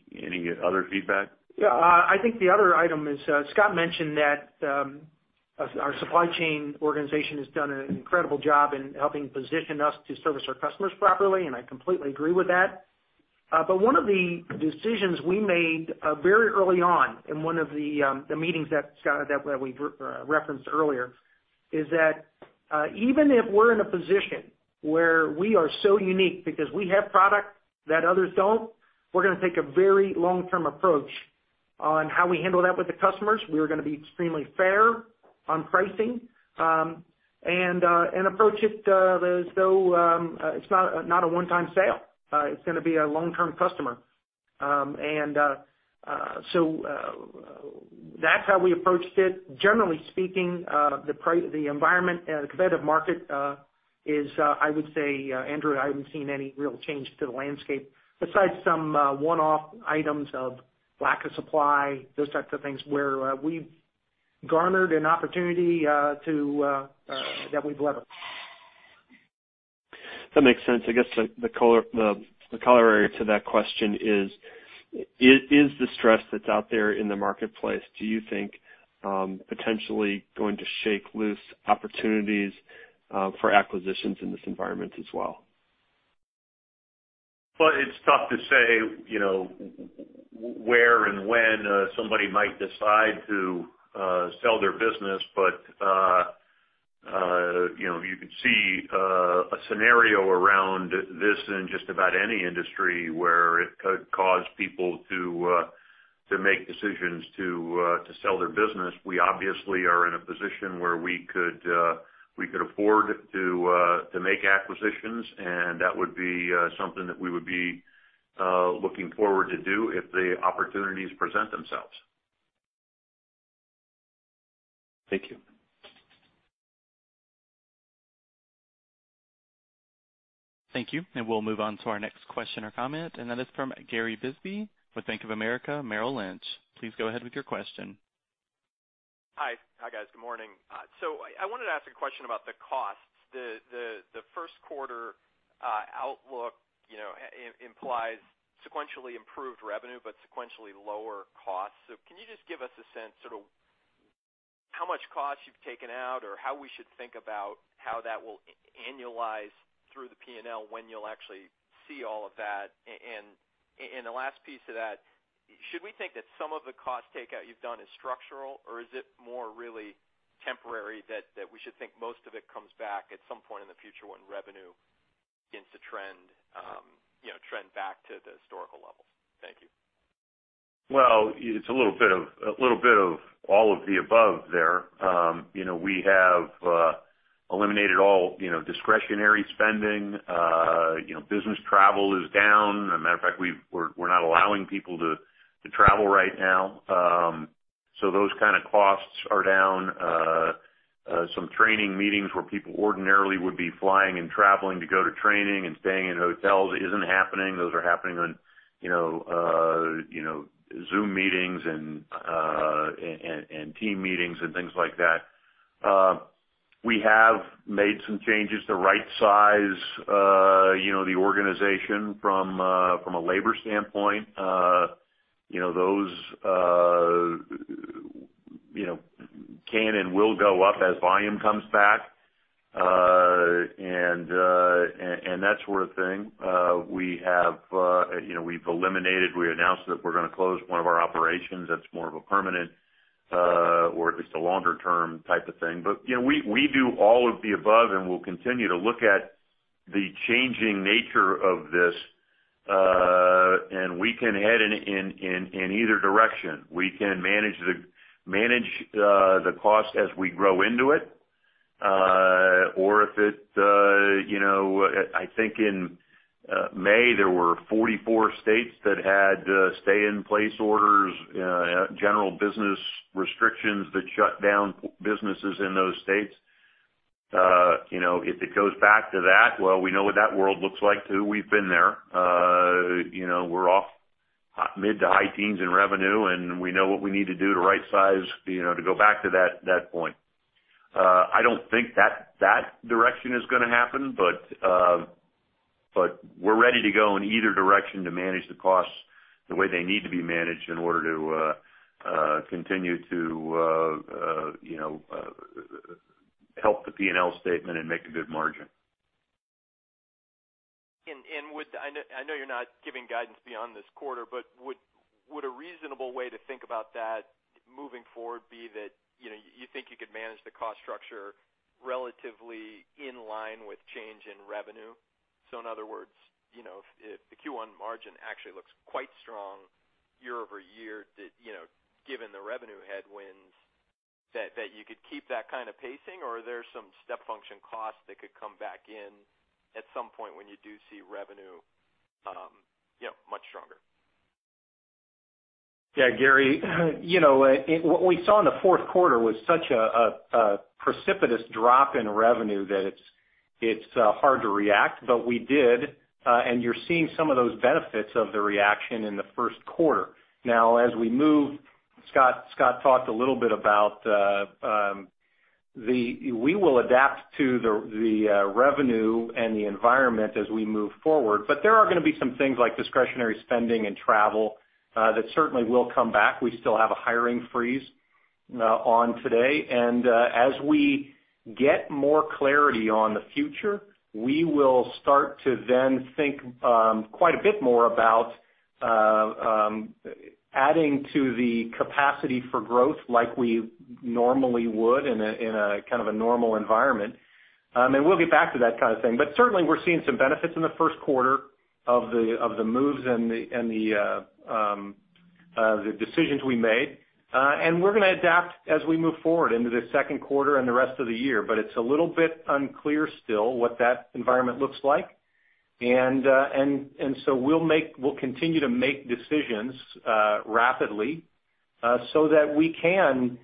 other feedback? Yeah. I think the other item is, Scott mentioned that our supply chain organization has done an incredible job in helping position us to service our customers properly, and I completely agree with that. One of the decisions we made very early on in one of the meetings that we referenced earlier is that even if we're in a position where we are so unique because we have product that others don't, we're going to take a very long-term approach on how we handle that with the customers. We are going to be extremely fair on pricing, and approach it as though it's not a one-time sale. It's going to be a long-term customer. That's how we approached it. Generally speaking, the competitive market is, I would say, Andrew, I haven't seen any real change to the landscape besides some one-off items of lack of supply, those types of things, where we've garnered an opportunity that we've leveraged. That makes sense. I guess the corollary to that question is the stress that's out there in the marketplace, do you think potentially going to shake loose opportunities for acquisitions in this environment as well? Well, it's tough to say where and when somebody might decide to sell their business. You could see a scenario around this in just about any industry where it could cause people to make decisions to sell their business. We obviously are in a position where we could afford to make acquisitions. That would be something that we would be looking forward to do if the opportunities present themselves. Thank you. Thank you. We'll move on to our next question or comment, and that is from Gary Bisbee with Bank of America Merrill Lynch. Please go ahead with your question. Hi, guys. Good morning. I wanted to ask a question about the costs. The first quarter outlook implies sequentially improved revenue, but sequentially lower costs. Can you just give us a sense sort of how much cost you've taken out, or how we should think about how that will annualize through the P&L, when you'll actually see all of that? The last piece of that, should we think that some of the cost takeout you've done is structural, or is it more really temporary, that we should think most of it comes back at some point in the future when revenue begins to trend back to the historical levels? Thank you. Well, it's a little bit of all of the above there. We have eliminated all discretionary spending. Business travel is down. As a matter of fact, we're not allowing people to travel right now. Those kind of costs are down. Some training meetings where people ordinarily would be flying and traveling to go to training and staying in hotels isn't happening. Those are happening on Zoom meetings and team meetings, and things like that. We have made some changes to rightsize the organization from a labor standpoint. Those can and will go up as volume comes back, and that sort of thing. We announced that we're going to close one of our operations. That's more of a permanent, or at least a longer-term type of thing. We do all of the above, and we'll continue to look at the changing nature of this. We can head in either direction. We can manage the cost as we grow into it. I think in May, there were 44 states that had stay in place orders, general business restrictions that shut down businesses in those states. If it goes back to that, well, we know what that world looks like too. We've been there. We're off mid to high teens in revenue, and we know what we need to do to right size, to go back to that point. I don't think that direction is going to happen. We're ready to go in either direction to manage the costs the way they need to be managed in order to continue to help the P&L statement and make a good margin. I know you're not giving guidance beyond this quarter, but would a reasonable way to think about that moving forward be that you think you could manage the cost structure relatively in line with change in revenue? In other words, if the Q1 margin actually looks quite strong year-over-year, given the revenue headwinds, that you could keep that kind of pacing? Are there some step function costs that could come back in at some point when you do see revenue much stronger? Yeah, Gary. What we saw in the fourth quarter was such a precipitous drop in revenue that it's hard to react. We did, and you're seeing some of those benefits of the reaction in the first quarter. Now, as we move, Scott talked a little bit about we will adapt to the revenue and the environment as we move forward. There are going to be some things like discretionary spending and travel, that certainly will come back. We still have a hiring freeze on today. As we get more clarity on the future, we will start to then think quite a bit more about adding to the capacity for growth like we normally would in a kind of a normal environment. We'll get back to that kind of thing. Certainly, we're seeing some benefits in the first quarter of the moves and the decisions we made. We're going to adapt as we move forward into the second quarter and the rest of the year. It's a little bit unclear still what that environment looks like. We'll continue to make decisions rapidly, so that we can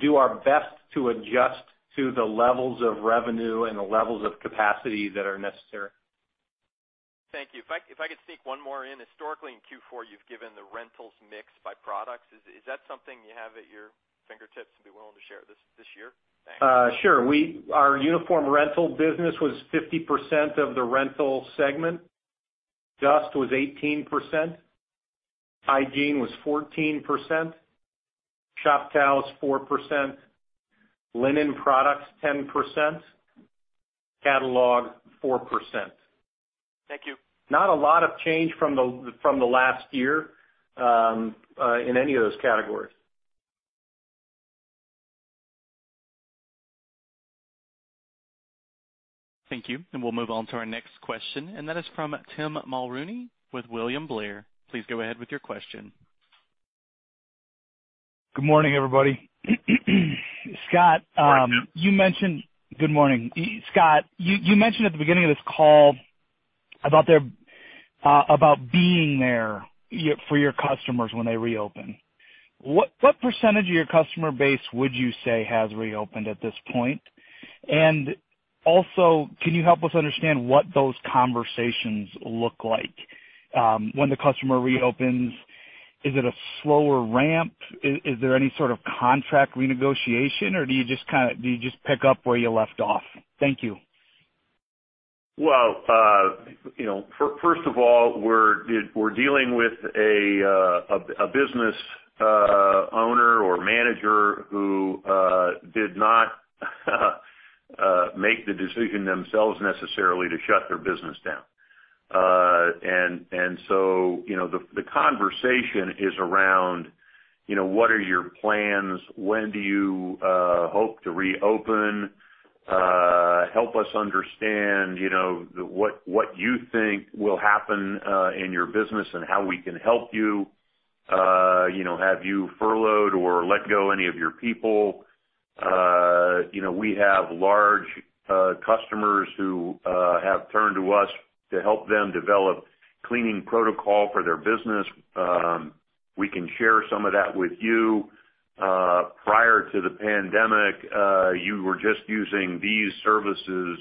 do our best to adjust to the levels of revenue and the levels of capacity that are necessary. Thank you. If I could sneak one more in. Historically, in Q4, you've given the rentals mix by products. Is that something you have at your fingertips and be willing to share this year? Thanks. Sure. Our uniform rental business was 50% of the rental segment. Dust was 18%. Hygiene was 14%. Shop towels, 4%. Linen products, 10%. Catalog, 4%. Thank you. Not a lot of change from the last year in any of those categories. Thank you. We'll move on to our next question, and that is from Tim Mulrooney with William Blair. Please go ahead with your question. Good morning, everybody. Good morning. Good morning. Scott, you mentioned at the beginning of this call about being there for your customers when they reopen. What percentage of your customer base would you say has reopened at this point? Also, can you help us understand what those conversations look like? When the customer reopens, is it a slower ramp? Is there any sort of contract renegotiation, or do you just pick up where you left off? Thank you. Well, first of all, we're dealing with a business owner or manager who did not make the decision themselves necessarily to shut their business down. The conversation is around, what are your plans? When do you hope to reopen? Help us understand what you think will happen in your business and how we can help you. Have you furloughed or let go any of your people? We have large customers who have turned to us to help them develop cleaning protocol for their business. We can share some of that with you. Prior to the pandemic, you were just using these services.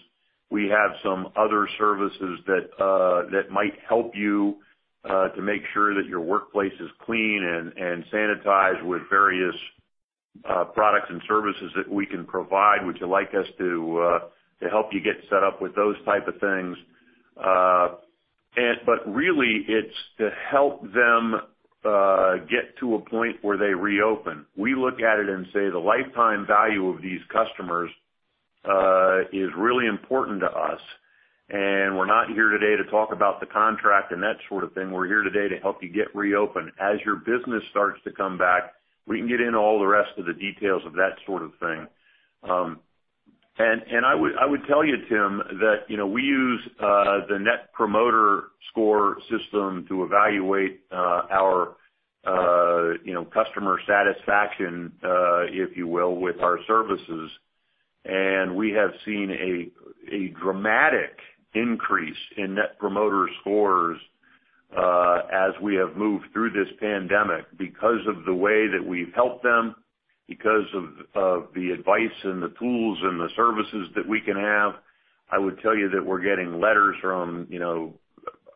We have some other services that might help you, to make sure that your workplace is clean and sanitized with various products and services that we can provide. Would you like us to help you get set up with those type of things? Really, it's to help them get to a point where they reopen. We look at it and say, the lifetime value of these customers is really important to us. We're not here today to talk about the contract and that sort of thing. We're here today to help you get reopened. As your business starts to come back, we can get in all the rest of the details of that sort of thing. I would tell you, Tim, that we use the net promoter score system to evaluate our customer satisfaction, if you will, with our services. We have seen a dramatic increase in net promoter scores as we have moved through this pandemic because of the way that we've helped them, because of the advice and the tools and the services that we can have. I would tell you that we're getting letters from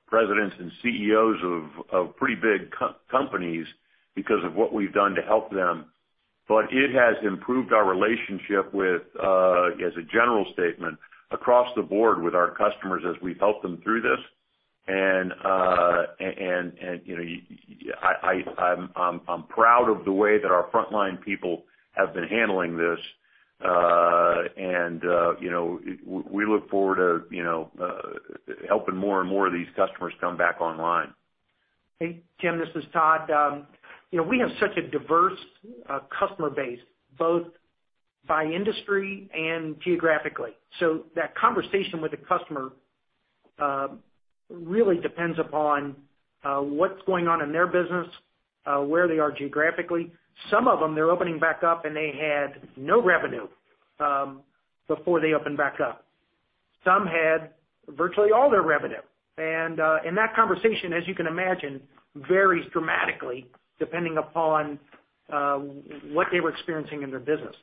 presidents and CEOs of pretty big companies because of what we've done to help them. It has improved our relationship with, as a general statement, across the board with our customers as we've helped them through this. I'm proud of the way that our frontline people have been handling this. We look forward to helping more and more of these customers come back online. Hey, Tim, this is Todd. We have such a diverse customer base, both by industry and geographically. That conversation with the customer really depends upon what's going on in their business, where they are geographically. Some of them, they're opening back up, and they had no revenue before they opened back up. Some had virtually all their revenue. That conversation, as you can imagine, varies dramatically depending upon what they were experiencing in their business.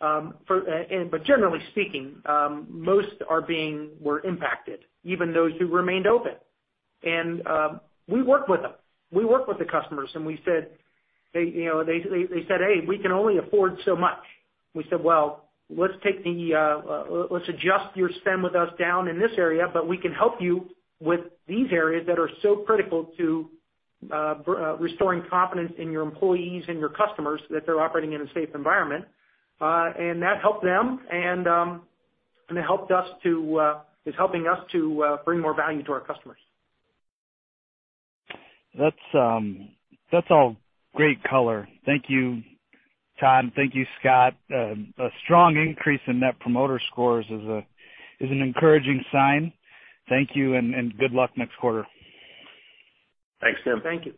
Generally speaking, most were impacted, even those who remained open. We worked with them. We worked with the customers, and they said, "Hey, we can only afford so much." We said, "Well, let's adjust your spend with us down in this area, but we can help you with these areas that are so critical to restoring confidence in your employees and your customers that they're operating in a safe environment." That helped them, and it's helping us to bring more value to our customers. That's all great color. Thank you, Todd. Thank you, Scott. A strong increase in net promoter scores is an encouraging sign. Thank you, and good luck next quarter. Thanks, Tim. Thank you.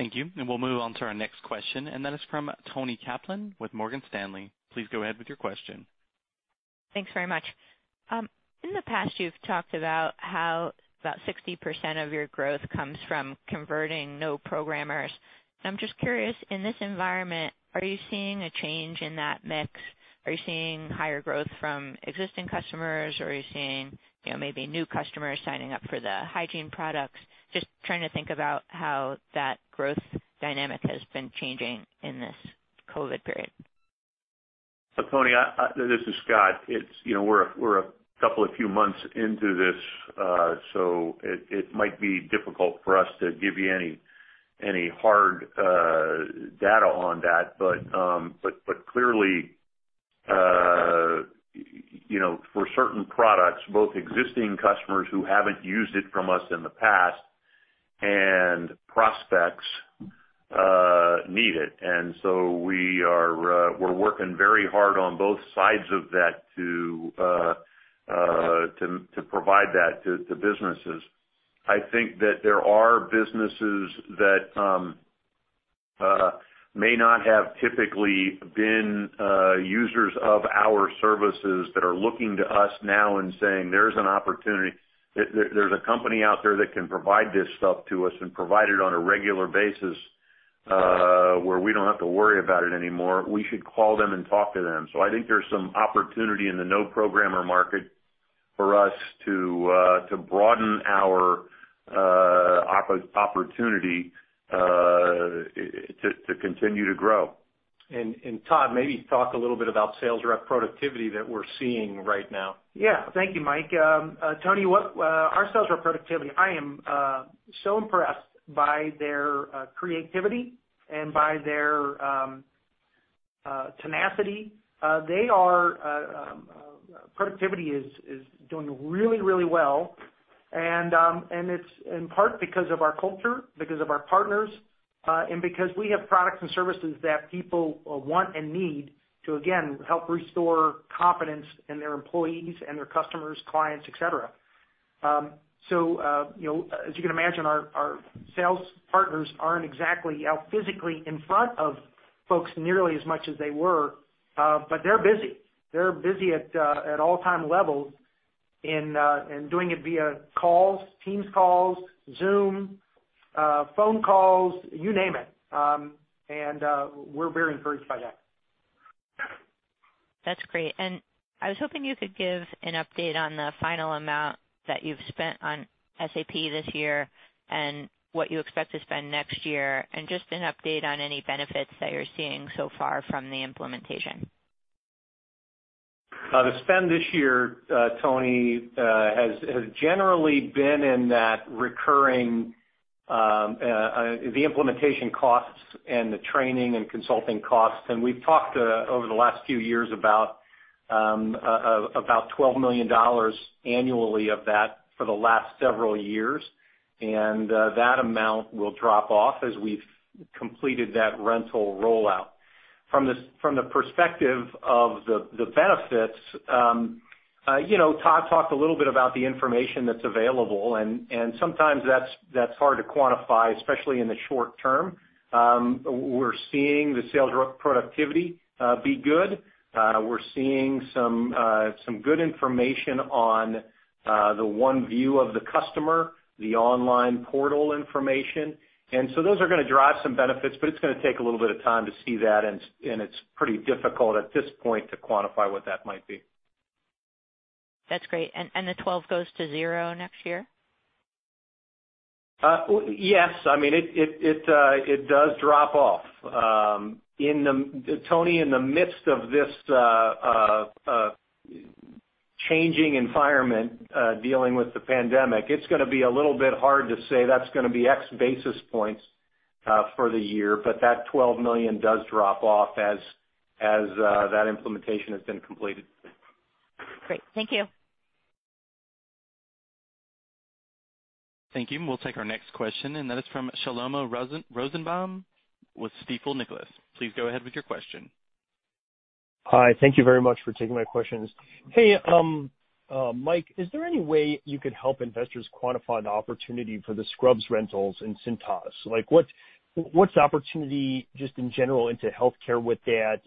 Thank you. We'll move on to our next question, and that is from Toni Kaplan with Morgan Stanley. Please go ahead with your question. Thanks very much. In the past, you've talked about how about 60% of your growth comes from converting non-programmers. I'm just curious, in this environment, are you seeing a change in that mix? Are you seeing higher growth from existing customers, or are you seeing maybe new customers signing up for the hygiene products? Just trying to think about how that growth dynamic has been changing in this COVID period. Toni, this is Scott. We're a couple of few months into this, so it might be difficult for us to give you any hard data on that. Clearly, for certain products, both existing customers who haven't used it from us in the past and prospects need it. We're working very hard on both sides of that to provide that to businesses. I think that there are businesses that may not have typically been users of our services that are looking to us now and saying, "There's an opportunity. There's a company out there that can provide this stuff to us and provide it on a regular basis where we don't have to worry about it anymore. We should call them and talk to them." I think there's some opportunity in the no-programmer market for us to broaden our opportunity to continue to grow. Todd, maybe talk a little bit about sales rep productivity that we're seeing right now. Yeah. Thank you, Mike. Toni, our sales rep productivity, I am so impressed by their creativity and by their tenacity. Productivity is doing really well, and it's in part because of our culture, because of our partners, and because we have products and services that people want and need to, again, help restore confidence in their employees and their customers, clients, et cetera. As you can imagine, our sales partners aren't exactly out physically in front of folks nearly as much as they were, but they're busy. They're busy at all-time levels and doing it via calls, Teams calls, Zoom, phone calls, you name it. We're very encouraged by that. That's great. I was hoping you could give an update on the final amount that you've spent on SAP this year and what you expect to spend next year, and just an update on any benefits that you're seeing so far from the implementation. The spend this year, Toni, has generally been in that recurring, the implementation costs and the training and consulting costs. We've talked over the last few years about $12 million annually of that for the last several years, and that amount will drop off as we've completed that rental rollout. Todd talked a little bit about the information that's available, and sometimes that's hard to quantify, especially in the short term. We're seeing the sales productivity be good. We're seeing some good information on the one view of the customer, the online portal information. Those are going to drive some benefits, but it's going to take a little bit of time to see that, and it's pretty difficult at this point to quantify what that might be. That's great. The 12 goes to zero next year? Yes. It does drop off. Toni, in the midst of this changing environment, dealing with the pandemic, it's going to be a little bit hard to say that's going to be X basis points for the year, but that $12 million does drop off as that implementation has been completed. Great. Thank you. Thank you. We'll take our next question, and that is from Shlomo Rosenbaum with Stifel Nicolaus. Please go ahead with your question. Hi. Thank you very much for taking my questions. Hey, Mike, is there any way you could help investors quantify the opportunity for the scrubs rentals in Cintas? What's the opportunity, just in general, into healthcare with that?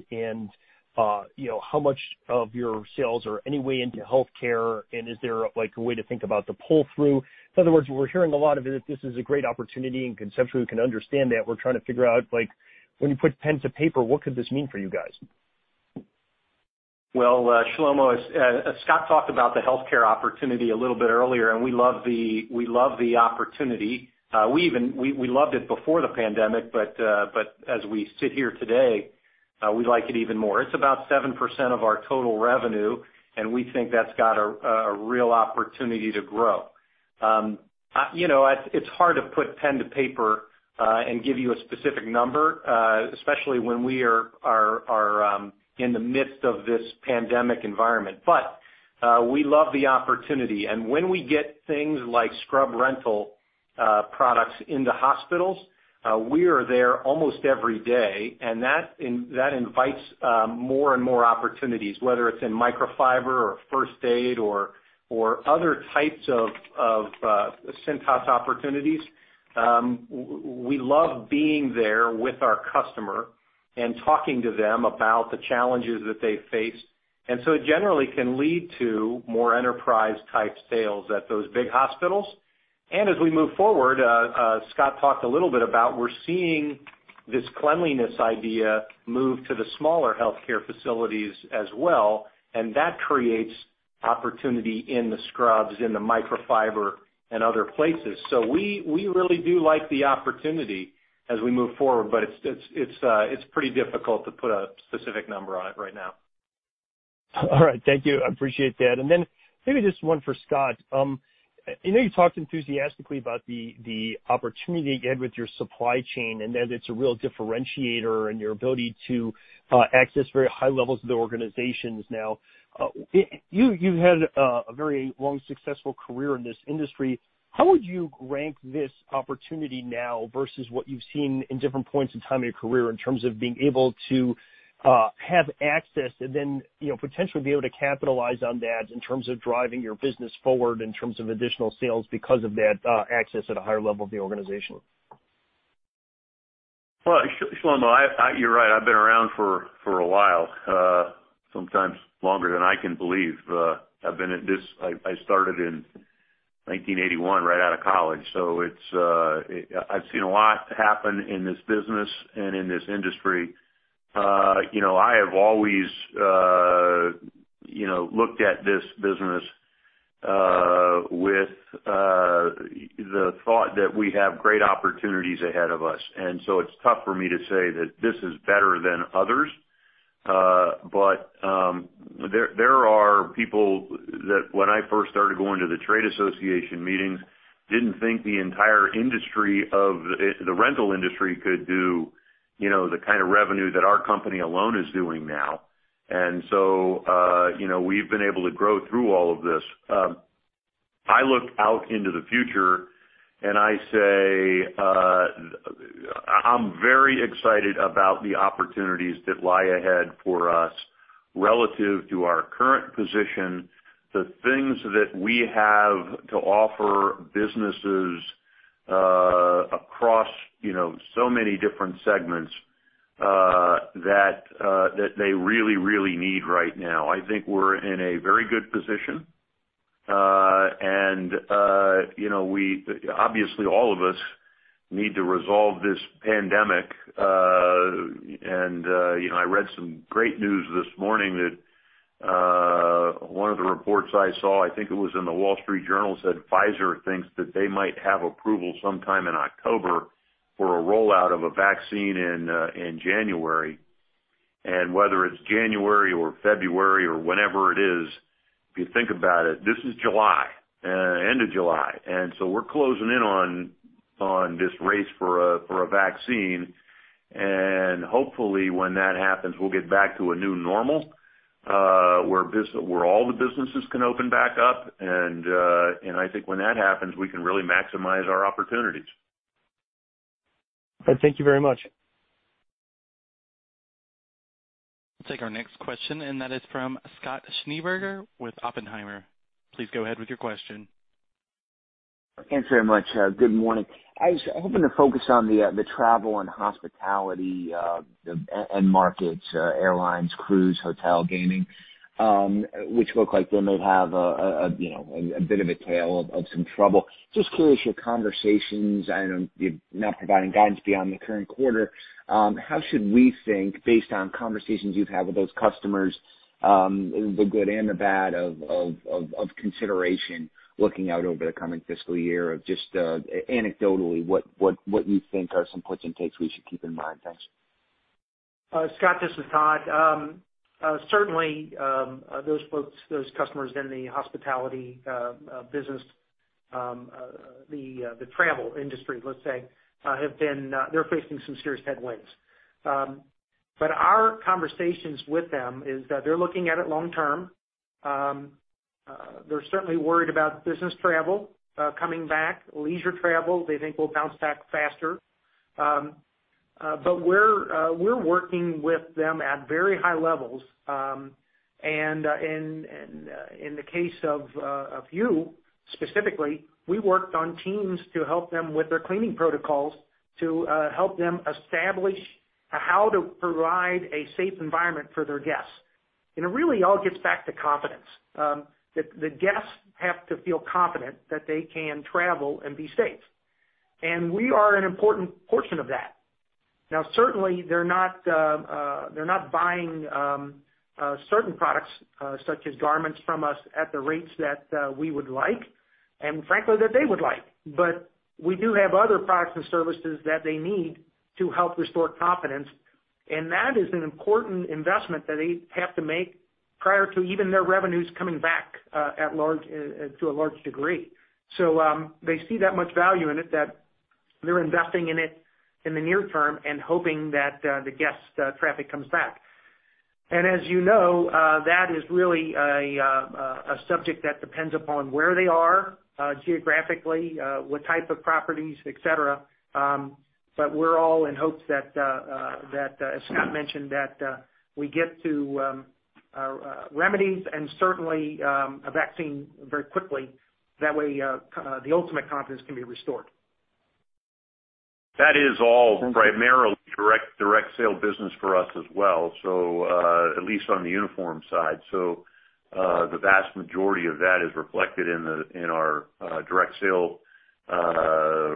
How much of your sales are any way into healthcare, and is there a way to think about the pull through? In other words, we're hearing a lot of it, that this is a great opportunity, and conceptually we can understand that. We're trying to figure out, when you put pen to paper, what could this mean for you guys? Well, Shlomo, as Scott talked about the healthcare opportunity a little bit earlier. We love the opportunity. We loved it before the pandemic, as we sit here today, we like it even more. It's about 7% of our total revenue. We think that's got a real opportunity to grow. It's hard to put pen to paper and give you a specific number, especially when we are in the midst of this pandemic environment. We love the opportunity. When we get things like scrub rental products into hospitals, we are there almost every day. That invites more and more opportunities, whether it's in microfiber or first aid or other types of Cintas opportunities. We love being there with our customer and talking to them about the challenges that they face. It generally can lead to more enterprise type sales at those big hospitals. As we move forward, Scott talked a little bit about, we're seeing this cleanliness idea move to the smaller healthcare facilities as well, and that creates opportunity in the scrubs, in the microfiber, and other places. We really do like the opportunity as we move forward, but it's pretty difficult to put a specific number on it right now. All right. Thank you. I appreciate that. Then maybe just one for Scott. I know you talked enthusiastically about the opportunity you had with your supply chain and that it's a real differentiator and your ability to access very high levels of the organizations now. You've had a very long, successful career in this industry. How would you rank this opportunity now versus what you've seen in different points in time in your career in terms of being able to have access and then potentially be able to capitalize on that in terms of driving your business forward, in terms of additional sales because of that access at a higher level of the organization? Shlomo, you're right. I've been around for a while. Sometimes longer than I can believe. I started in 1981, right out of college. I've seen a lot happen in this business and in this industry. I have always looked at this business with the thought that we have great opportunities ahead of us. It's tough for me to say that this is better than others. There are people that when I first started going to the trade association meetings, didn't think the entire industry, the rental industry could do the kind of revenue that our company alone is doing now. We've been able to grow through all of this. I look out into the future and I say I'm very excited about the opportunities that lie ahead for us relative to our current position, the things that we have to offer businesses across so many different segments that they really, really need right now. I think we're in a very good position. Obviously all of us need to resolve this pandemic. I read some great news this morning that one of the reports I saw, I think it was in the Wall Street Journal, said Pfizer thinks that they might have approval sometime in October for a rollout of a vaccine in January. Whether it's January or February or whenever it is, if you think about it, this is July, end of July. We're closing in on this race for a vaccine. Hopefully when that happens, we'll get back to a new normal, where all the businesses can open back up. I think when that happens, we can really maximize our opportunities. All right. Thank you very much. We'll take our next question, and that is from Scott Schneeberger with Oppenheimer. Please go ahead with your question. Thanks very much. Good morning. I was hoping to focus on the travel and hospitality end markets, airlines, cruise, hotel, gaming, which look like they may have a bit of a tail of some trouble. Just curious, your conversations, I know you're not providing guidance beyond the current quarter, how should we think, based on conversations you've had with those customers, the good and the bad of consideration looking out over the coming fiscal year of just anecdotally what you think are some puts and takes we should keep in mind? Thanks. Scott, this is Todd. Certainly, those folks, those customers in the hospitality business, the travel industry, let's say, they're facing some serious headwinds. Our conversations with them is that they're looking at it long term. They're certainly worried about business travel coming back. Leisure travel, they think, will bounce back faster. We're working with them at very high levels. In the case of a few, specifically, we worked on teams to help them with their cleaning protocols, to help them establish how to provide a safe environment for their guests. It really all gets back to confidence. The guests have to feel confident that they can travel and be safe. We are an important portion of that. Now, certainly they're not buying certain products, such as garments from us, at the rates that we would like, and frankly, that they would like. We do have other products and services that they need to help restore confidence, and that is an important investment that they have to make prior to even their revenues coming back to a large degree. They see that much value in it that they're investing in it in the near term and hoping that the guest traffic comes back. As you know, that is really a subject that depends upon where they are geographically, what type of properties, et cetera. We're all in hopes that, as Scott mentioned, that we get to remedies and certainly a vaccine very quickly. That way, the ultimate confidence can be restored. That is all primarily Direct Sale business for us as well, at least on the uniform side. The vast majority of that is reflected in our Direct Sale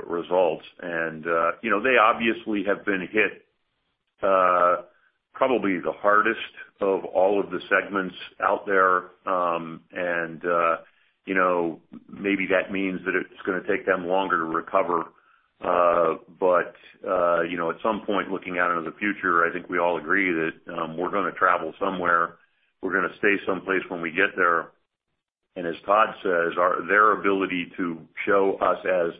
results. They obviously have been hit probably the hardest of all of the segments out there. Maybe that means that it's gonna take them longer to recover. At some point, looking out into the future, I think we all agree that we're gonna travel somewhere, we're gonna stay someplace when we get there, and as Todd says, their ability to show us as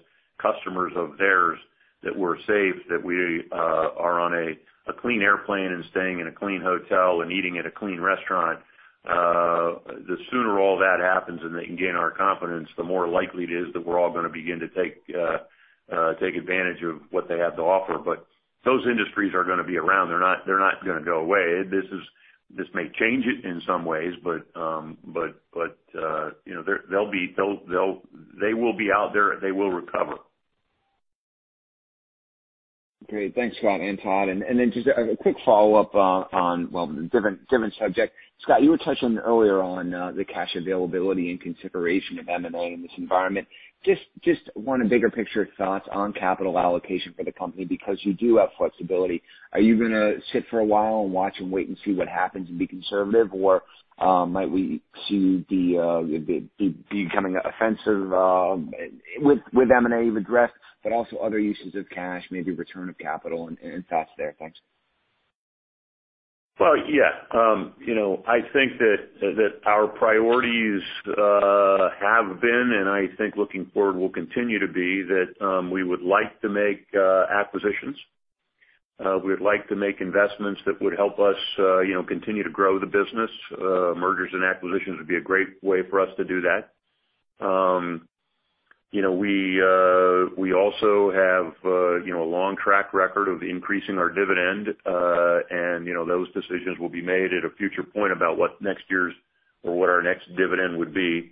customers of theirs that we're safe, that we are on a clean airplane and staying in a clean hotel and eating at a clean restaurant, the sooner all that happens and they can gain our confidence, the more likely it is that we're all gonna begin to take advantage of what they have to offer. Those industries are gonna be around. They're not gonna go away. This may change it in some ways, but they will be out there. They will recover. Great. Thanks, Scott and Todd. Just a quick follow-up on, well, different subject. Scott, you were touching earlier on the cash availability and consideration of M&A in this environment. Just want a bigger picture of thoughts on capital allocation for the company, because you do have flexibility. Are you going to sit for a while and watch and wait and see what happens and be conservative? Might we see the becoming offensive with M&A you've addressed, but also other uses of cash, maybe return of capital and thoughts there? Thanks. Well, yeah. I think that our priorities have been, and I think looking forward will continue to be, that we would like to make acquisitions. We would like to make investments that would help us continue to grow the business. Mergers and acquisitions would be a great way for us to do that. Those decisions will be made at a future point about what next year's or what our next dividend would be.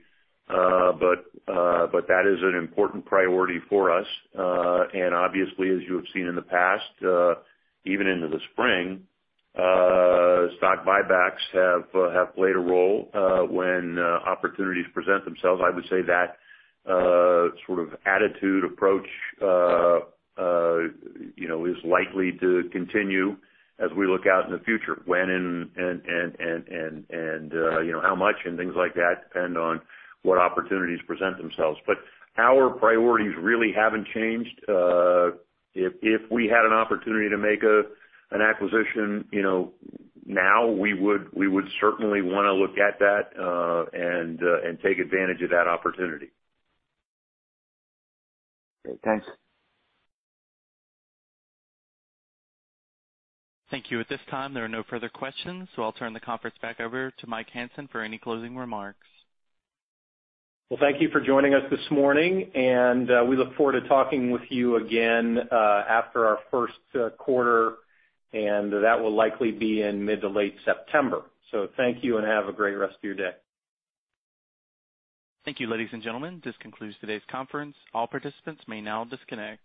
That is an important priority for us. Obviously, as you have seen in the past, even into the spring, stock buybacks have played a role when opportunities present themselves. I would say that sort of attitude approach is likely to continue as we look out in the future. When and how much and things like that depend on what opportunities present themselves. Our priorities really haven't changed. If we had an opportunity to make an acquisition now, we would certainly wanna look at that and take advantage of that opportunity. Okay, thanks. Thank you. At this time, there are no further questions, so I'll turn the conference back over to Mike Hansen for any closing remarks. Well, thank you for joining us this morning, and we look forward to talking with you again after our first quarter, and that will likely be in mid to late September. Thank you and have a great rest of your day. Thank you, ladies and gentlemen. This concludes today's conference. All participants may now disconnect.